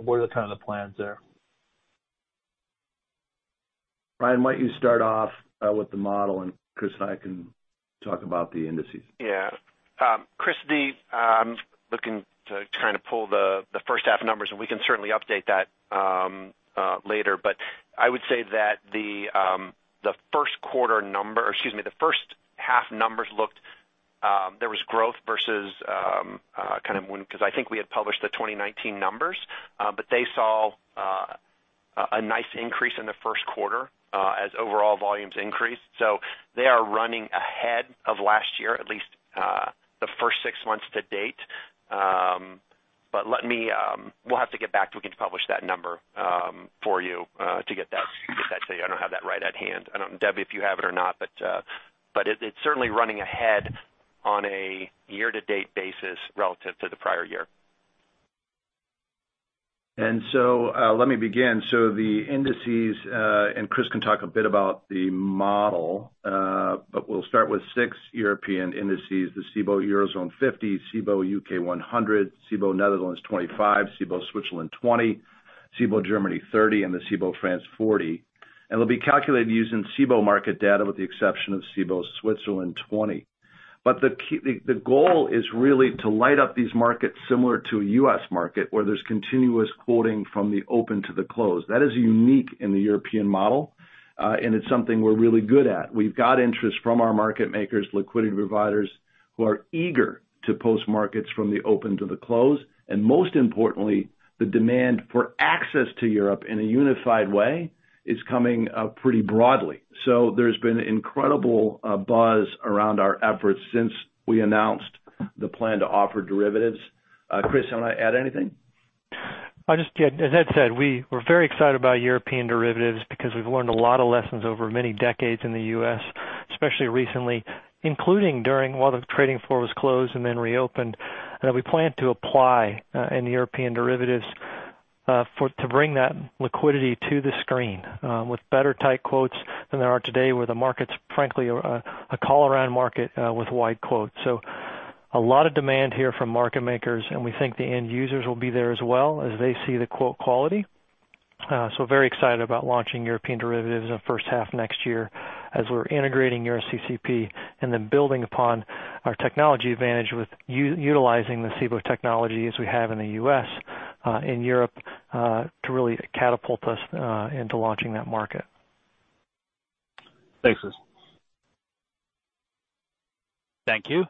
What are the kind of plans there? Brian, why don't you start off with the model, and Chris and I can talk about the indices. Yeah. Chris, looking to kind of pull the first half numbers, we can certainly update that later. I would say that the first half numbers looked, there was growth versus kind of when, because I think we had published the 2019 numbers. They saw a nice increase in the first quarter as overall volumes increased. They are running ahead of last year, at least the first six months to date. We'll have to get back to you again to publish that number for you to get that to you. I don't have that right at hand. I don't know, Debbie, if you have it or not, but it's certainly running ahead on a year-to-date basis relative to the prior year. Let me begin. The indices, and Chris can talk a bit about the model, but we'll start with six European indices, the Cboe Eurozone 50, Cboe U.K. 100, Cboe Netherlands 25, Cboe Switzerland 20, Cboe Germany 30, and the Cboe France 40. They'll be calculated using Cboe market data with the exception of Cboe Switzerland 20. The goal is really to light up these markets similar to a U.S. market where there's continuous quoting from the open to the close. That is unique in the European model, and it's something we're really good at. We've got interest from our market makers, liquidity providers who are eager to post markets from the open to the close. Most importantly, the demand for access to Europe in a unified way is coming up pretty broadly. There's been incredible buzz around our efforts since we announced the plan to offer derivatives. Chris, you want to add anything? I just did. As Ed said, we're very excited about European derivatives because we've learned a lot of lessons over many decades in the U.S., especially recently, including during while the trading floor was closed and then reopened. We plan to apply in the European derivatives to bring that liquidity to the screen with better tight quotes than there are today where the market's frankly a call-around market with wide quotes. A lot of demand here from market makers and we think the end users will be there as well as they see the quote quality. Very excited about launching European derivatives in the first half of next year as we're integrating EuroCCP and then building upon our technology advantage with utilizing the Cboe technology as we have in the U.S. in Europe to really catapult us into launching that market. Thanks, Chris. Thank you.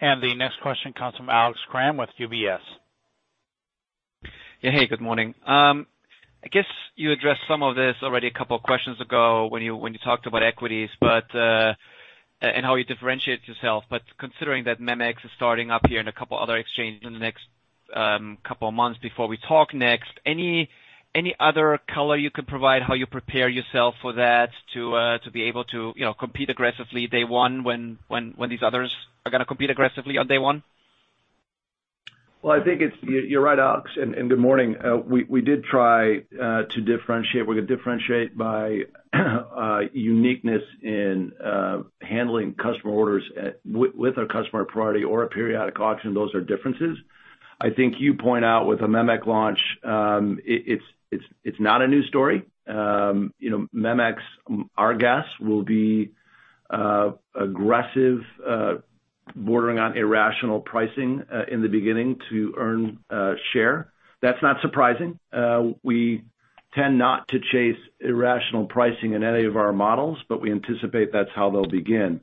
The next question comes from Alex Kramm with UBS. Yeah. Hey, good morning. I guess you addressed some of this already a couple of questions ago when you talked about equities and how you differentiate yourself. Considering that MEMX is starting up here and a couple other exchanges in the next couple of months before we talk next, any other color you can provide how you prepare yourself for that to be able to compete aggressively day one when these others are gonna compete aggressively on day one? Well, I think you're right, Alex. Good morning. We did try to differentiate. We're gonna differentiate by uniqueness in handling customer orders with a customer priority or a periodic auction. Those are differences. I think you point out with a MEMX launch, it's not a new story. MEMX, our guess, will be aggressive, bordering on irrational pricing in the beginning to earn share. That's not surprising. We tend not to chase irrational pricing in any of our models. We anticipate that's how they'll begin.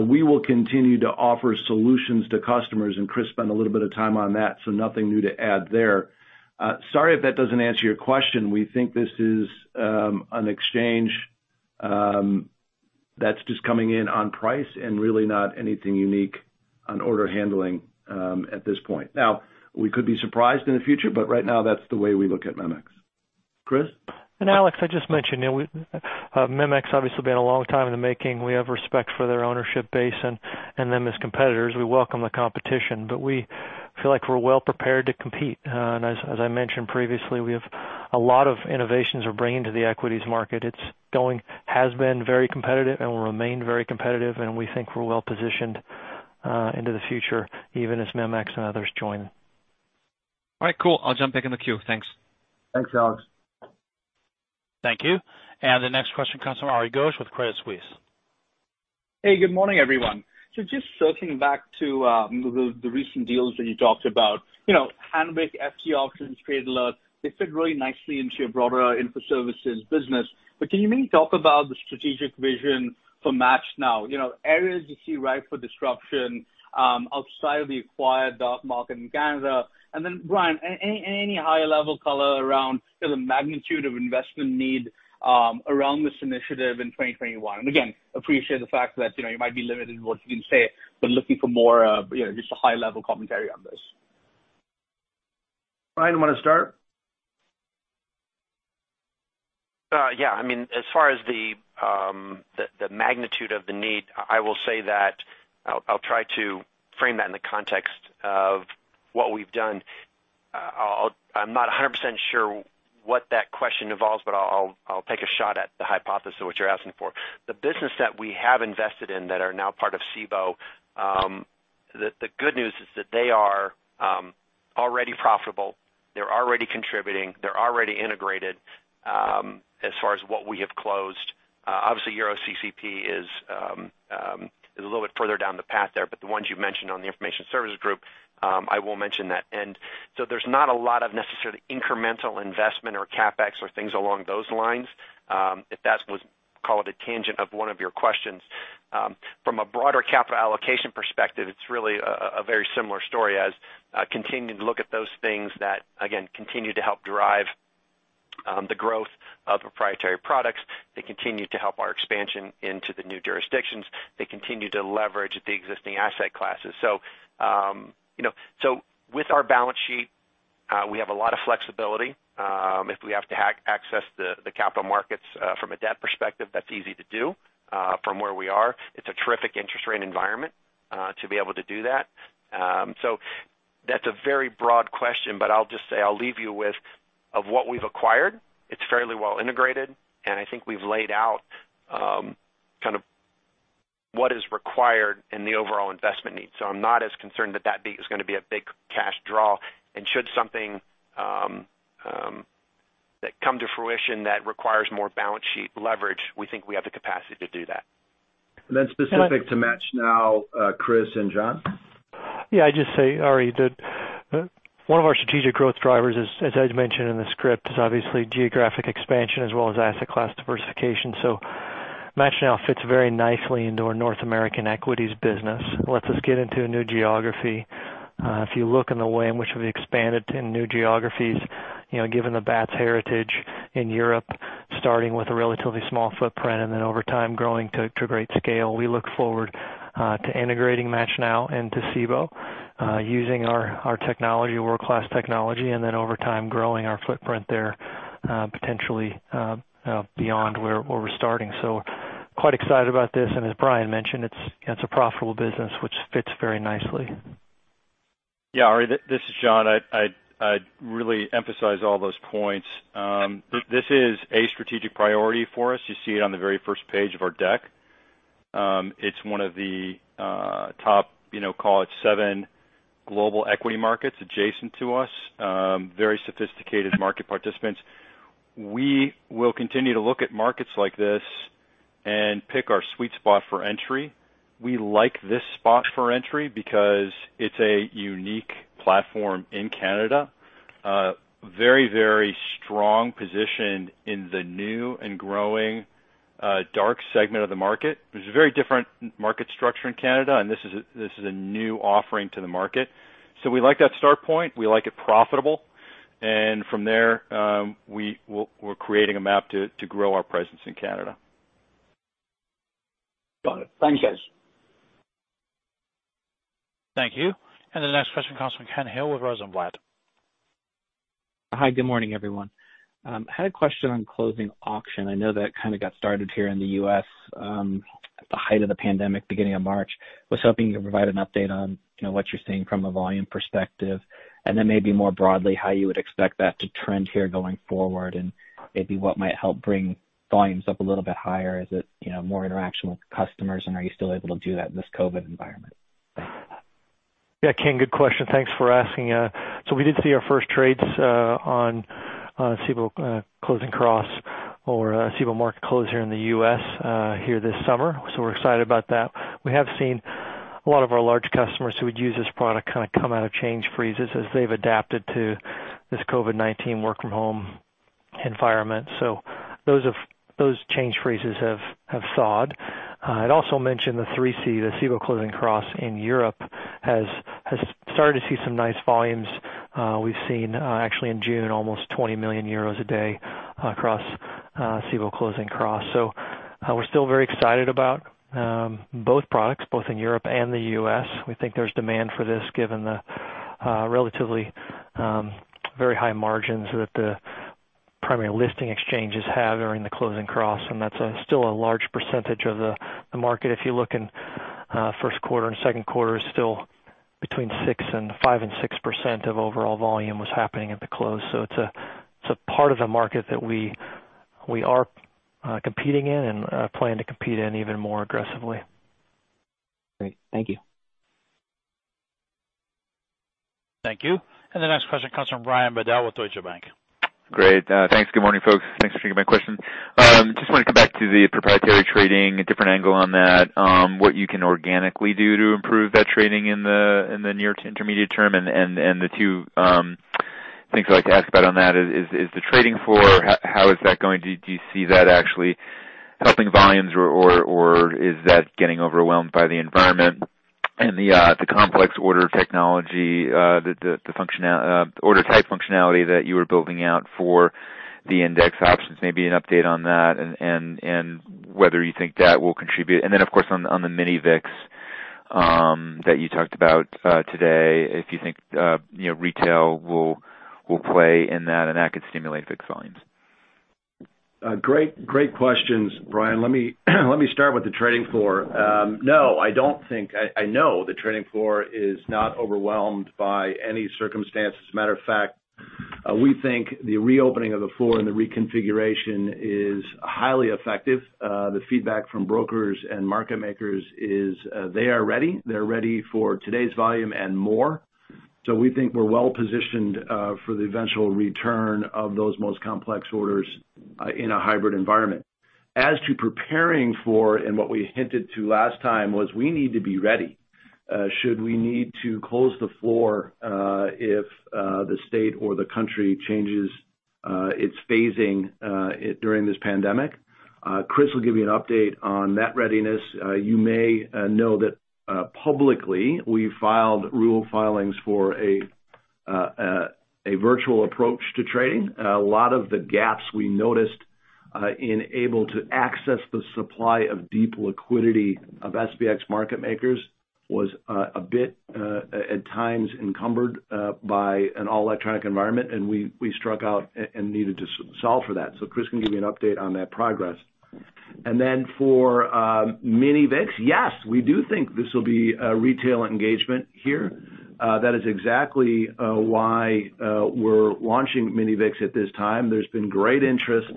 We will continue to offer solutions to customers. Chris spent a little bit of time on that. Nothing new to add there. Sorry if that doesn't answer your question. We think this is an exchange that's just coming in on price and really not anything unique on order handling at this point. We could be surprised in the future, but right now that's the way we look at MEMX. Chris? Alex, I just mentioned, MEMX obviously been a long time in the making. We have respect for their ownership base and them as competitors. We welcome the competition, but we feel like we're well prepared to compete. As I mentioned previously, we have a lot of innovations we're bringing to the equities market. It has been very competitive and will remain very competitive and we think we're well-positioned into the future even as MEMX and others join. All right, cool. I'll jump back in the queue. Thanks. Thanks, Alex. Thank you. The next question comes from Ari Ghosh with Credit Suisse. Hey, good morning, everyone. Just circling back to the recent deals that you talked about. Hanweck, FT Options, Trade Alert, they fit really nicely into your broader info services business. Can you maybe talk about the strategic vision for MATCHNow? Areas you see ripe for disruption outside of the acquired dark market in Canada. Brian, any high-level color around the magnitude of investment need around this initiative in 2021? Again, appreciate the fact that you might be limited in what you can say, but looking for more of just a high-level commentary on this. Brian, you want to start? As far as the magnitude of the need, I will say that I'll try to frame that in the context of what we've done. I'm not 100% sure what that question involves, but I'll take a shot at the hypothesis of what you're asking for. The business that we have invested in that are now part of Cboe, the good news is that they are already profitable. They're already contributing. They're already integrated, as far as what we have closed. Obviously, EuroCCP is a little bit further down the path there. The ones you've mentioned on the information services group, I will mention that. There's not a lot of necessarily incremental investment or CapEx or things along those lines, if that was, call it, a tangent of one of your questions. From a broader capital allocation perspective, it's really a very similar story as continuing to look at those things that, again, continue to help drive the growth of proprietary products. They continue to help our expansion into the new jurisdictions. They continue to leverage the existing asset classes. With our balance sheet, we have a lot of flexibility. If we have to access the capital markets from a debt perspective, that's easy to do from where we are. It's a terrific interest rate environment to be able to do that. That's a very broad question, but I'll just say, I'll leave you with, of what we've acquired, it's fairly well integrated, and I think we've laid out what is required in the overall investment needs. I'm not as concerned that is going to be a big cash draw, and should something that come to fruition that requires more balance sheet leverage, we think we have the capacity to do that. Specific to MATCHNow, Chris and John. I'd just say, Ari, that one of our strategic growth drivers is, as Ed mentioned in the script, is obviously geographic expansion as well as asset class diversification. MATCHNow fits very nicely into our North American equities business. It lets us get into a new geography. If you look in the way in which we've expanded in new geographies, given the Bats heritage in Europe, starting with a relatively small footprint and then over time growing to great scale. We look forward to integrating MATCHNow into Cboe, using our technology, world-class technology, and then over time, growing our footprint there, potentially beyond where we're starting. Quite excited about this. As Brian mentioned, it's a profitable business which fits very nicely. Yeah. Ari, this is John. I'd really emphasize all those points. This is a strategic priority for us. You see it on the very first page of our deck. It's one of the top call it seven global equity markets adjacent to us. Very sophisticated market participants. We will continue to look at markets like this and pick our sweet spot for entry. We like this spot for entry because it's a unique platform in Canada. Very strong position in the new and growing dark segment of the market. It's a very different market structure in Canada. This is a new offering to the market. We like that start point. We like it profitable. From there, we're creating a map to grow our presence in Canada. Got it. Thanks, guys. Thank you. The next question comes from Ken Hill with Rosenblatt. Hi, good morning, everyone. I had a question on closing auction. I know that kind of got started here in the U.S. at the height of the pandemic, beginning of March. I was hoping you could provide an update on what you're seeing from a volume perspective, maybe more broadly, how you would expect that to trend here going forward, and maybe what might help bring volumes up a little bit higher. Is it more interaction with customers, and are you still able to do that in this COVID-19 environment? Yeah, Ken, good question. Thanks for asking. We did see our first trades on Cboe Closing Cross or Cboe Market Close here in the U.S. here this summer. We're excited about that. We have seen a lot of our large customers who would use this product kind of come out of change freezes as they've adapted to this COVID-19 work-from-home environment. Those change freezes have thawed. I'd also mention the 3C, the Cboe Closing Cross in Europe has started to see some nice volumes. We've seen, actually in June, almost 20 million euros a day across Cboe Closing Cross. We're still very excited about both products, both in Europe and the U.S. We think there's demand for this given the relatively very high margins that the primary listing exchanges have during the closing cross, and that's still a large percentage of the market. If you look in Q1 and Q2, still between 5% and 6% of overall volume was happening at the close. It's a part of the market that we are competing in and plan to compete in even more aggressively. Great. Thank you. Thank you. The next question comes from Brian Bedell with Deutsche Bank. Great. Thanks. Good morning, folks. Thanks for taking my question. Just want to come back to the proprietary trading, a different angle on that. What you can organically do to improve that trading in the near to intermediate term, and the two things I'd like to ask about on that is the trading floor, how is that going? Do you see that actually helping volumes, or is that getting overwhelmed by the environment? The complex order technology, the order type functionality that you were building out for the index options, maybe an update on that and whether you think that will contribute. Then, of course, on the Mini VIX that you talked about today, if you think retail will play in that and that could stimulate FUBO volumes. Great questions, Brian. Let me start with the trading floor. I know the trading floor is not overwhelmed by any circumstances. Matter of fact, we think the reopening of the floor and the reconfiguration is highly effective. The feedback from brokers and market makers is they are ready. They're ready for today's volume and more. We think we're well-positioned for the eventual return of those most complex orders in a hybrid environment. As to preparing for, and what we hinted to last time was we need to be ready should we need to close the floor if the state or the country changes its phasing during this pandemic. Chris will give you an update on that readiness. You may know that publicly, we filed rule filings for a virtual approach to trading. A lot of the gaps we noticed in able to access the supply of deep liquidity of SPX market makers was a bit at times encumbered by an all-electronic environment. We struck out and needed to solve for that. Chris can give you an update on that progress. For Mini VIX, yes, we do think this will be a retail engagement here. That is exactly why we're launching Mini VIX at this time. There's been great interest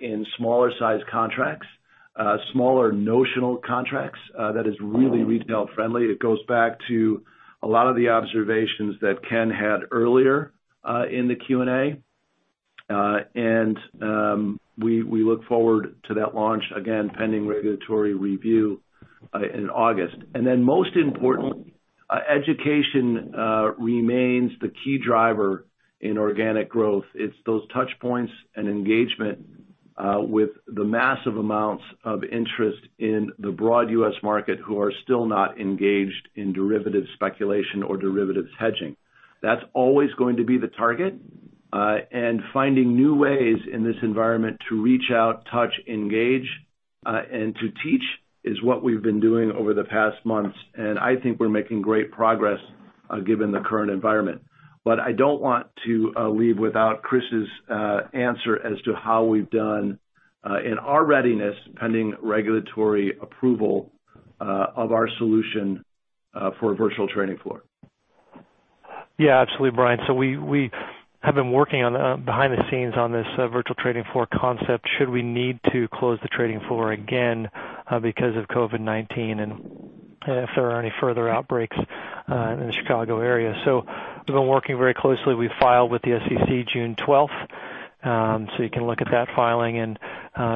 in smaller size contracts, smaller notional contracts that is really retail-friendly. It goes back to a lot of the observations that Ken had earlier in the Q&A. We look forward to that launch again, pending regulatory review in August. Most importantly, education remains the key driver in organic growth. It's those touchpoints and engagement with the massive amounts of interest in the broad U.S. market who are still not engaged in derivative speculation or derivatives hedging. Finding new ways in this environment to reach out, touch, engage, and to teach is what we've been doing over the past months, and I think we're making great progress given the current environment. I don't want to leave without Chris's answer as to how we've done in our readiness, pending regulatory approval of our solution for a virtual trading floor. Yeah, absolutely, Brian. We have been working behind the scenes on this virtual trading floor concept should we need to close the trading floor again because of COVID-19 and if there are any further outbreaks in the Chicago area. We've been working very closely. We filed with the SEC June 12th, so you can look at that filing, and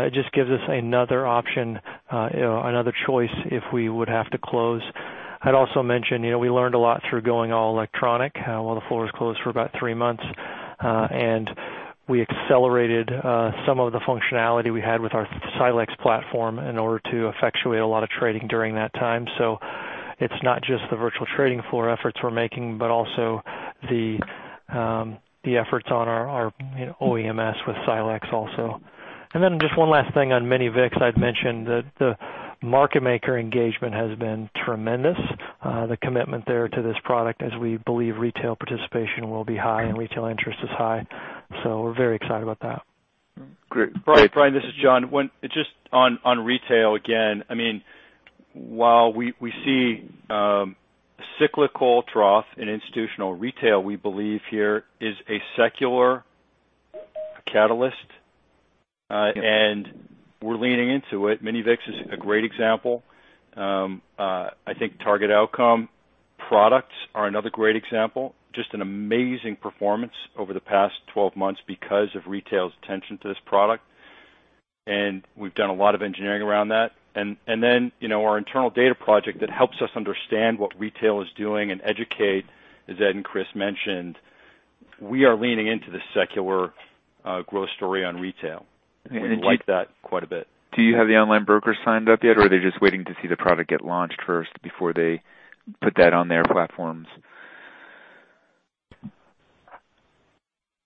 it just gives us another option, another choice if we would have to close. I'd also mention we learned a lot through going all electronic while the floor was closed for about three months, and we accelerated some of the functionality we had with our Silexx platform in order to effectuate a lot of trading during that time. It's not just the virtual trading floor efforts we're making, but also the efforts on our OEMS with Silexx also. Just one last thing on Mini VIX. I'd mentioned that the market maker engagement has been tremendous, the commitment there to this product as we believe retail participation will be high and retail interest is high. We're very excited about that. Great. Brian, this is John. Just on retail again, while we see cyclical trough in institutional retail, we believe here is a secular catalyst and we're leaning into it. Mini VIX is a great example. I think target outcome products are another great example. Just an amazing performance over the past 12 months because of retail's attention to this product, and we've done a lot of engineering around that. Our internal data project that helps us understand what retail is doing and educate, as Ed and Chris mentioned, we are leaning into the secular growth story on retail. We like that quite a bit. Do you have the online brokers signed up yet, or are they just waiting to see the product get launched first before they put that on their platforms?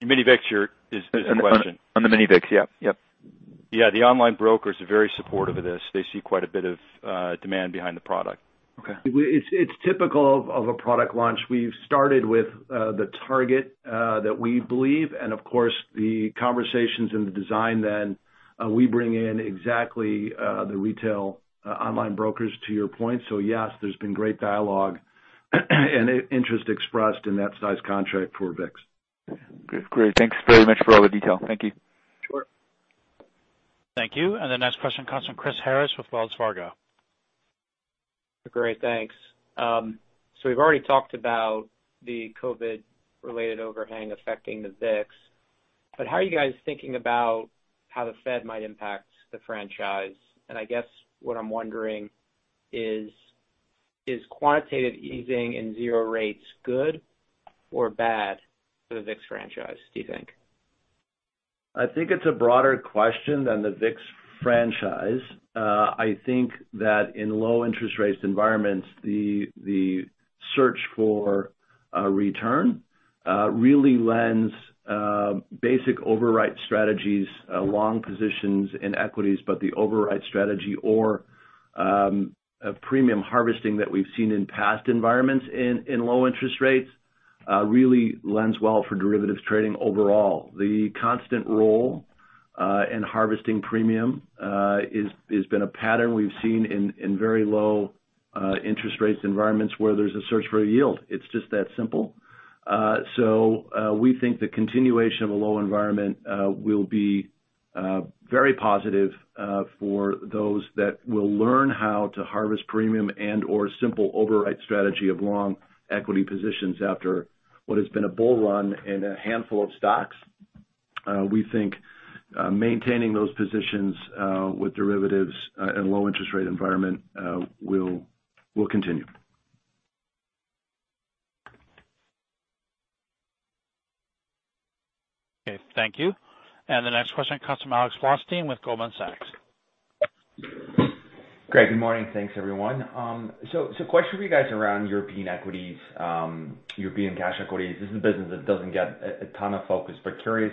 The Mini VIX is the question. On the Mini VIX, yep. The online brokers are very supportive of this. They see quite a bit of demand behind the product. Okay. It's typical of a product launch. We've started with the target that we believe, of course, the conversations and the design, we bring in exactly the retail online brokers to your point. Yes, there's been great dialogue and interest expressed in that size contract for VIX. Great. Thanks very much for all the detail. Thank you. Sure. Thank you. The next question comes from Chris Harris with Wells Fargo. Great. Thanks. We've already talked about the COVID-related overhang affecting the VIX, but how are you guys thinking about how the Fed might impact the franchise? I guess what I'm wondering is quantitative easing and zero rates good or bad for the VIX franchise, do you think? I think it's a broader question than the VIX franchise. I think that in low interest rates environments, the search for a return really lends basic overwrite strategies, long positions in equities, but the overwrite strategy or a premium harvesting that we've seen in past environments in low interest rates really lends well for derivatives trading overall. The constant roll in harvesting premium has been a pattern we've seen in very low interest rates environments where there's a search for a yield. It's just that simple. We think the continuation of a low environment will be very positive for those that will learn how to harvest premium and/or simple overwrite strategy of long equity positions after what has been a bull run in a handful of stocks. We think maintaining those positions with derivatives and low interest rate environment will continue. Okay. Thank you. The next question comes from Alexander Blostein with Goldman Sachs. Great. Good morning. Thanks, everyone. Question for you guys around European equities, European cash equities. This is a business that doesn't get a ton of focus, but curious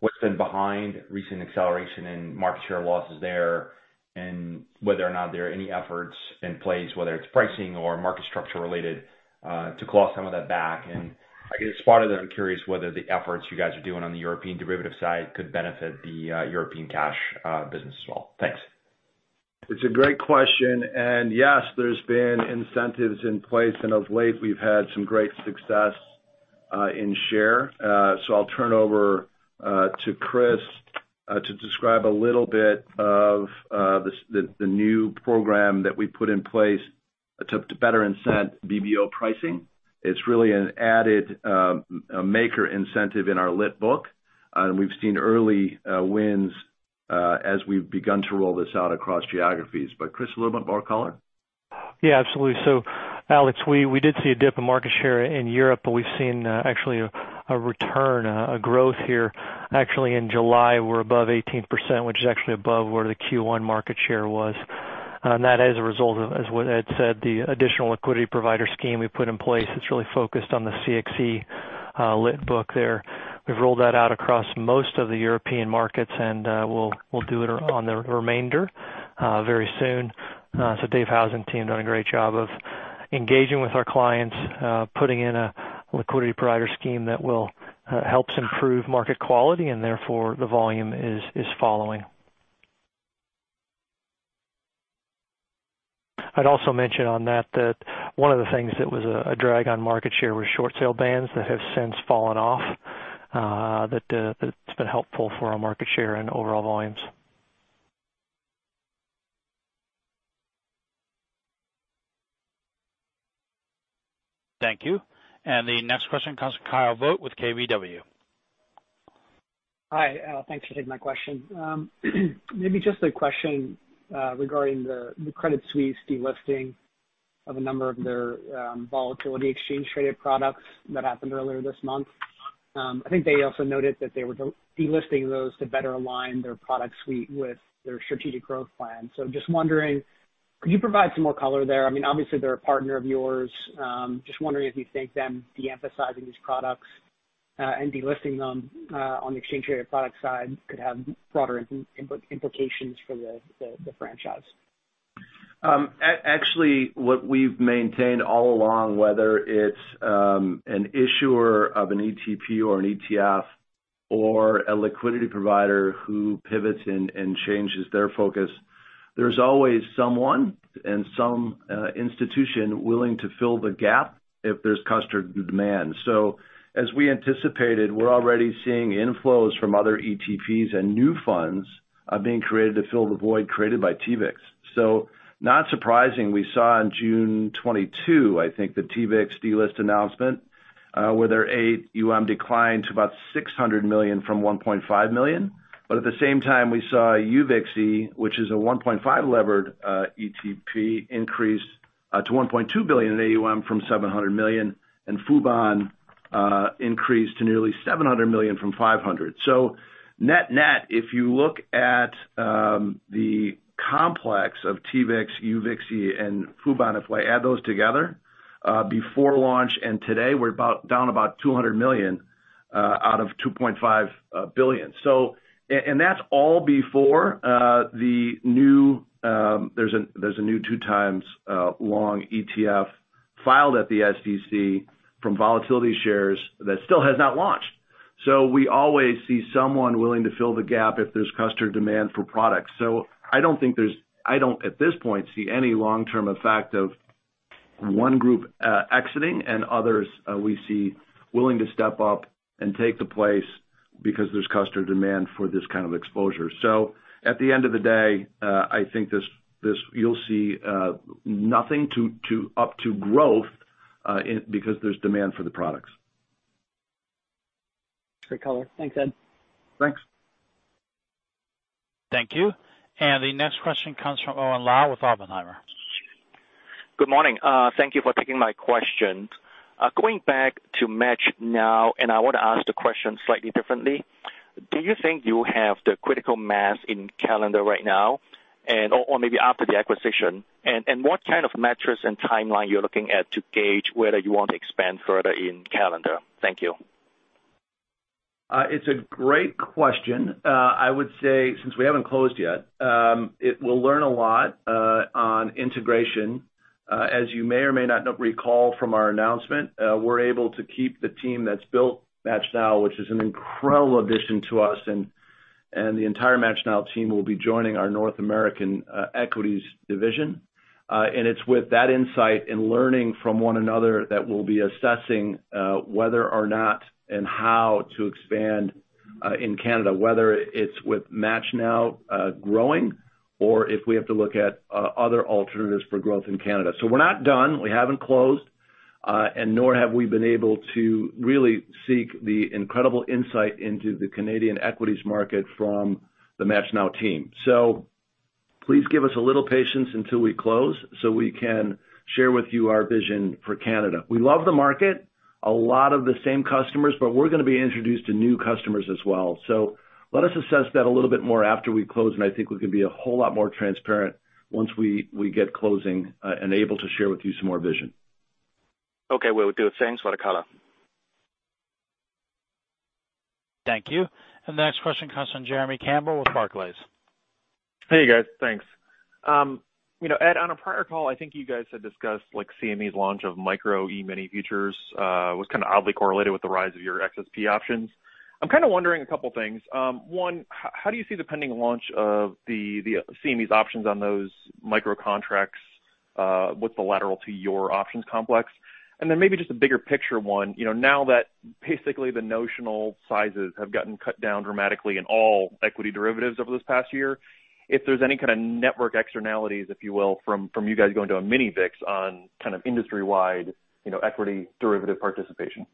what's been behind recent acceleration in market share losses there and whether or not there are any efforts in place, whether it's pricing or market structure related, to claw some of that back. I guess part of that I'm curious whether the efforts you guys are doing on the European derivative side could benefit the European cash business as well. Thanks. It's a great question, and yes, there's been incentives in place, and of late, we've had some great success in share. I'll turn over to Chris to describe a little bit of the new program that we put in place to better incent BBO pricing. It's really an added maker incentive in our lit book. We've seen early wins as we've begun to roll this out across geographies. Chris, a little bit more color? Yeah, absolutely. Alex, we did see a dip in market share in Europe, we've seen actually a return, a growth here. Actually in July, we're above 18%, which is actually above where the Q1 market share was. That as a result of, as Ed said, the additional liquidity provider scheme we put in place. It's really focused on the CXE lit book there. We've rolled that out across most of the European markets, we'll do it on the remainder very soon. Dave Howson and team done a great job of engaging with our clients, putting in a liquidity provider scheme that helps improve market quality and therefore the volume is following. I'd also mention on that one of the things that was a drag on market share was short sale bans that have since fallen off. That's been helpful for our market share and overall volumes. Thank you. The next question comes from Kyle Voigt with KBW. Hi, Ed. Thanks for taking my question. Maybe just a question regarding the Credit Suisse delisting of a number of their volatility exchange traded products that happened earlier this month. I think they also noted that they were delisting those to better align their product suite with their strategic growth plan. Just wondering, could you provide some more color there? Obviously they're a partner of yours. Just wondering if you think them de-emphasizing these products, and delisting them on the exchange traded product side could have broader implications for the franchise. Actually, what we've maintained all along, whether it's an issuer of an ETP or an ETF or a liquidity provider who pivots and changes their focus, there's always someone and some institution willing to fill the gap if there's customer demand. As we anticipated, we're already seeing inflows from other ETPs and new funds are being created to fill the void created by TVIX. Not surprising, we saw on June 22, I think, the TVIX delist announcement, where their AUM declined to about $600 million from $1.5 million. At the same time, we saw UVXY, which is a 1.5 levered ETP, increase to $1.2 billion in AUM from $700 million, and FUBO increased to nearly $700 million from $500. Net-net, if you look at the complex of TVIX, UVXY, and futures and options, if I add those together, before launch and today, we're down about $200 million out of $2.5 billion. That's all before the new 2x long ETF filed at the SEC from Volatility Shares that still has not launched. We always see someone willing to fill the gap if there's customer demand for products. I don't, at this point, see any long-term effect of one group exiting and others we see willing to step up and take the place because there's customer demand for this kind of exposure. At the end of the day, I think you'll see nothing up to growth because there's demand for the products. Great color. Thanks, Ed. Thanks. Thank you. The next question comes from Owen Lau with Oppenheimer. Good morning. Thank you for taking my question. Going back to MATCHNow, and I want to ask the question slightly differently. Do you think you have the critical mass in Canada right now or maybe after the acquisition? What kind of metrics and timeline you're looking at to gauge whether you want to expand further in Canada? Thank you. It's a great question. I would say, since we haven't closed yet, we'll learn a lot on integration. As you may or may not recall from our announcement, we're able to keep the team that's built MATCHNow, which is an incredible addition to us, and the entire MATCHNow team will be joining our North American equities division. It's with that insight and learning from one another that we'll be assessing whether or not, and how to expand in Canada, whether it's with MATCHNow growing or if we have to look at other alternatives for growth in Canada. We're not done. We haven't closed, and nor have we been able to really seek the incredible insight into the Canadian equities market from the MATCHNow team. Please give us a little patience until we close so we can share with you our vision for Canada. We love the market, a lot of the same customers, but we're going to be introduced to new customers as well. Let us assess that a little bit more after we close, and I think we can be a whole lot more transparent once we get closing and able to share with you some more vision. Okay. Will do. Thanks for the color. Thank you. The next question comes from Jeremy Campbell with Barclays. Hey, guys. Thanks. Ed, on a prior call, I think you guys had discussed CME's launch of micro E-mini futures, was kind of oddly correlated with the rise of your XSP options. I'm kind of wondering two things. One, how do you see the pending launch of the CME's options on those micro contracts with the collateral to your options complex? Then maybe just a bigger picture one, now that basically the notional sizes have gotten cut down dramatically in all equity derivatives over this past year, if there's any kind of network externalities, if you will, from you guys going to a Mini VIX on kind of industry-wide equity derivative participation.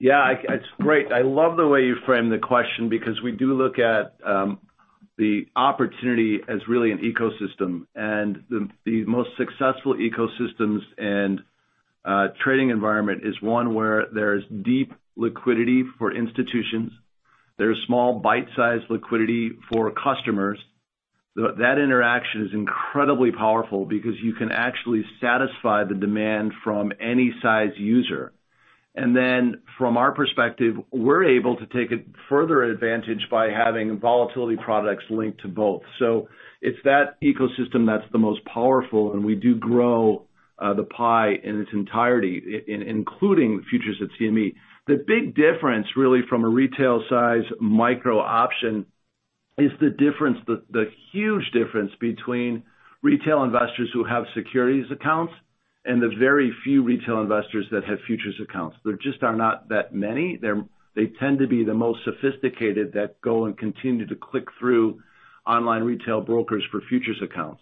It's great. I love the way you framed the question because we do look at the opportunity as really an ecosystem, and the most successful ecosystems and trading environment is one where there's deep liquidity for institutions, there's small bite-sized liquidity for customers. That interaction is incredibly powerful because you can actually satisfy the demand from any size user. From our perspective, we're able to take a further advantage by having volatility products linked to both. It's that ecosystem that's the most powerful, and we do grow the pie in its entirety, including the futures at CME. The big difference, really, from a retail size micro option is the huge difference between retail investors who have securities accounts and the very few retail investors that have futures accounts. There just are not that many. They tend to be the most sophisticated that go and continue to click through online retail brokers for futures accounts.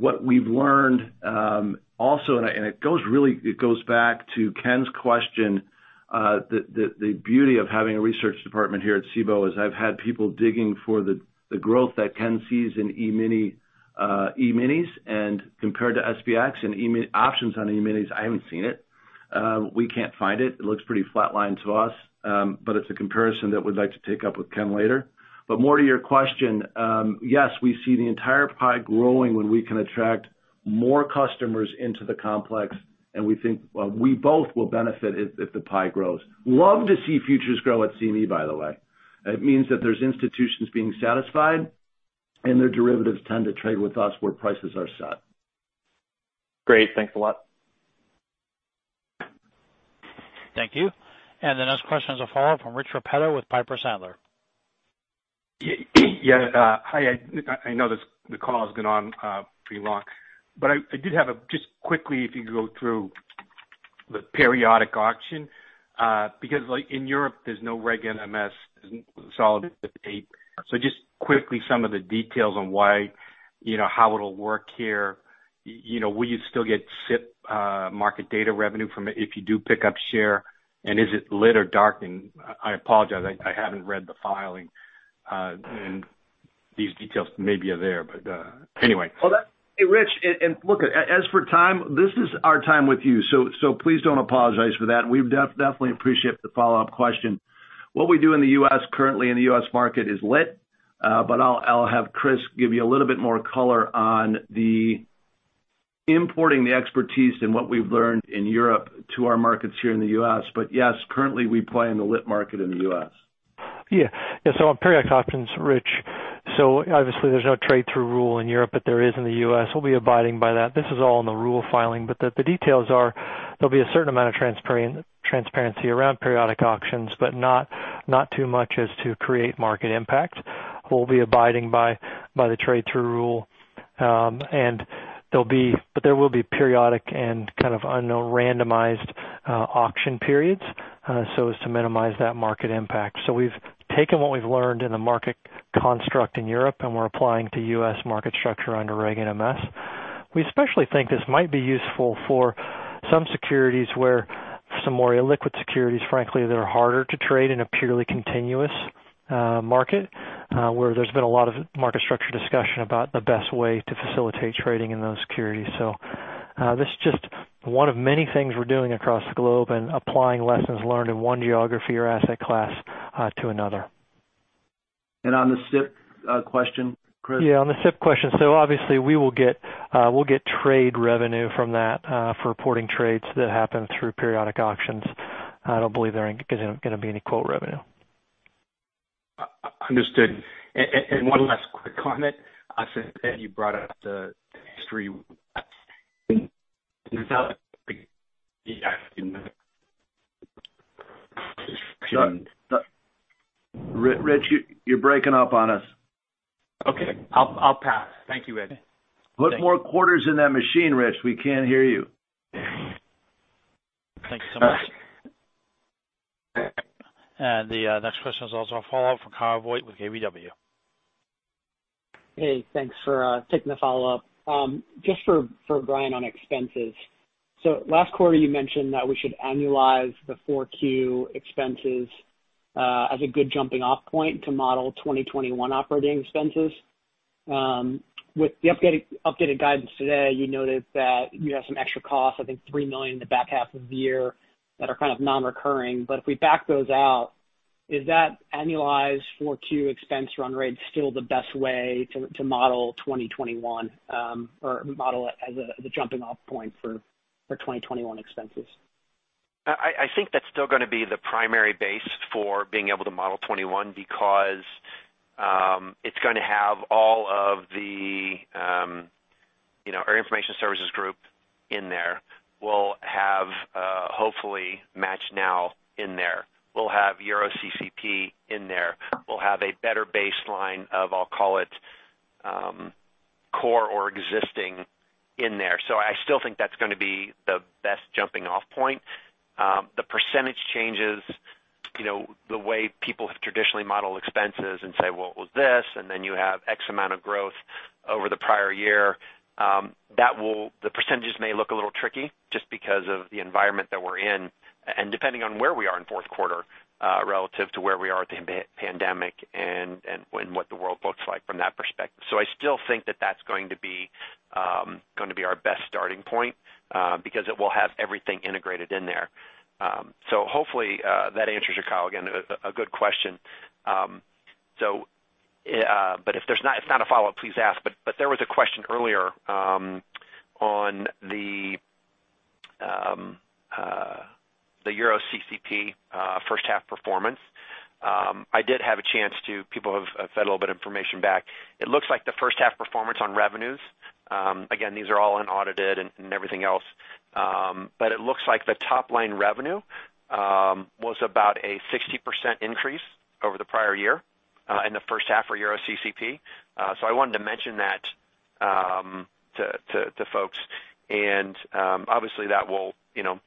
What we've learned also, it goes back to Ken's question, the beauty of having a research department here at Cboe is I've had people digging for the growth that Ken sees in E-minis and compared to SPX and options on E-minis, I haven't seen it. We can't find it. It looks pretty flat lined to us, it's a comparison that we'd like to take up with Ken later. More to your question, yes, we see the entire pie growing when we can attract more customers into the complex, and we think we both will benefit if the pie grows. Love to see futures grow at CME, by the way. It means that there's institutions being satisfied and their derivatives tend to trade with us where prices are set. Great. Thanks a lot. Thank you. The next question is a follow-up from Rich Repetto with Piper Sandler. Hi, I know the call has gone on pretty long. I did have just quickly, if you could go through the periodic auction, because in Europe, there's no Regulation NMS consolidated tape. Just quickly, some of the details on how it'll work here. Will you still get SIP market data revenue from it if you do pick up share, and is it lit or dark? I apologize, I haven't read the filing. These details maybe are there. Hey, Rich, look, as for time, this is our time with you. Please don't apologize for that. We definitely appreciate the follow-up question. What we do in the U.S. currently in the U.S. market is lit. I'll have Chris give you a little bit more color on the importing the expertise and what we've learned in Europe to our markets here in the U.S. Yes, currently we play in the lit market in the U.S. On periodic auctions, Rich, obviously there's no trade through rule in Europe, but there is in the U.S. We'll be abiding by that. This is all in the rule filing, the details are there'll be a certain amount of transparency around periodic auctions, but not too much as to create market impact. We'll be abiding by the trade through rule. There will be periodic and kind of unknown randomized auction periods, as to minimize that market impact. We've taken what we've learned in the market construct in Europe, and we're applying to U.S. market structure under Regulation NMS. We especially think this might be useful for some securities where some more illiquid securities, frankly, that are harder to trade in a purely continuous market, where there's been a lot of market structure discussion about the best way to facilitate trading in those securities. This is just one of many things we're doing across the globe and applying lessons learned in one geography or asset class to another. On the SIP question, Chris? Yeah, on the SIP question. Obviously we'll get trade revenue from that for reporting trades that happen through periodic auctions. I don't believe there are going to be any quote revenue. Understood. One last quick comment since Ed, you brought up the history. Rich, you're breaking up on us. Okay. I'll pass. Thank you, Ed. Put more quarters in that machine, Rich. We can't hear you. Thank you so much. The next question is also a follow-up from Kyle Voigt with KBW. Hey, thanks for taking the follow-up. Just for Brian on expenses. Last quarter, you mentioned that we should annualize the 4Q expenses as a good jumping off point to model 2021 operating expenses. With the updated guidance today, you noted that you have some extra costs, I think $3 million in the back half of the year that are kind of non-recurring. If we back those out, is that annualized 4Q expense run rate still the best way to model 2021, or model it as a jumping off point for 2021 expenses? I think that's still going to be the primary base for being able to model 2021 because it's going to have all of our information services group in there. We'll have, hopefully, MATCHNow in there. We'll have EuroCCP in there. We'll have a better baseline of, I'll call it, core or existing in there. I still think that's going to be the best jumping off point. The percentage changes, the way people have traditionally modeled expenses and say, "Well, it was this," and then you have X amount of growth over the prior year. The percentages may look a little tricky just because of the environment that we're in and depending on where we are in fourth quarter relative to where we are at the pandemic and what the world looks like from that perspective. I still think that that's going to be our best starting point because it will have everything integrated in there. Hopefully that answers your call. Again, a good question. If it's not a follow-up, please ask. There was a question earlier on the EuroCCP first half performance. I did have a chance people have fed a little bit of information back. It looks like the first half performance on revenues. Again, these are all unaudited and everything else. It looks like the top-line revenue was about a 60% increase over the prior year in the first half for EuroCCP. I wanted to mention that to folks, and obviously that will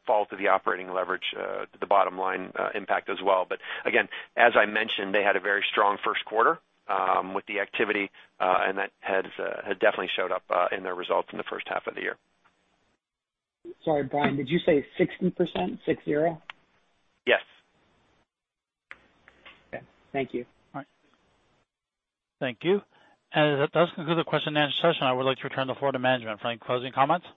fall to the operating leverage, the bottom line impact as well. Again, as I mentioned, they had a very strong first quarter with the activity and that has definitely showed up in their results in the first half of the year. Sorry, Brian, did you say 60%? Six, zero? Yes. Okay. Thank you. All right. Thank you. That does conclude the question and answer session. I would like to return the floor to management for any closing comments.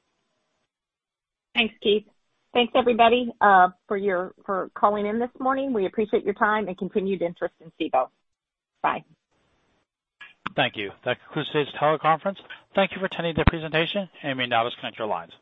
Thanks, Keith. Thanks, everybody for calling in this morning. We appreciate your time and continued interest in Cboe. Bye. Thank you. That concludes today's teleconference. Thank you for attending the presentation, and you may now disconnect your lines.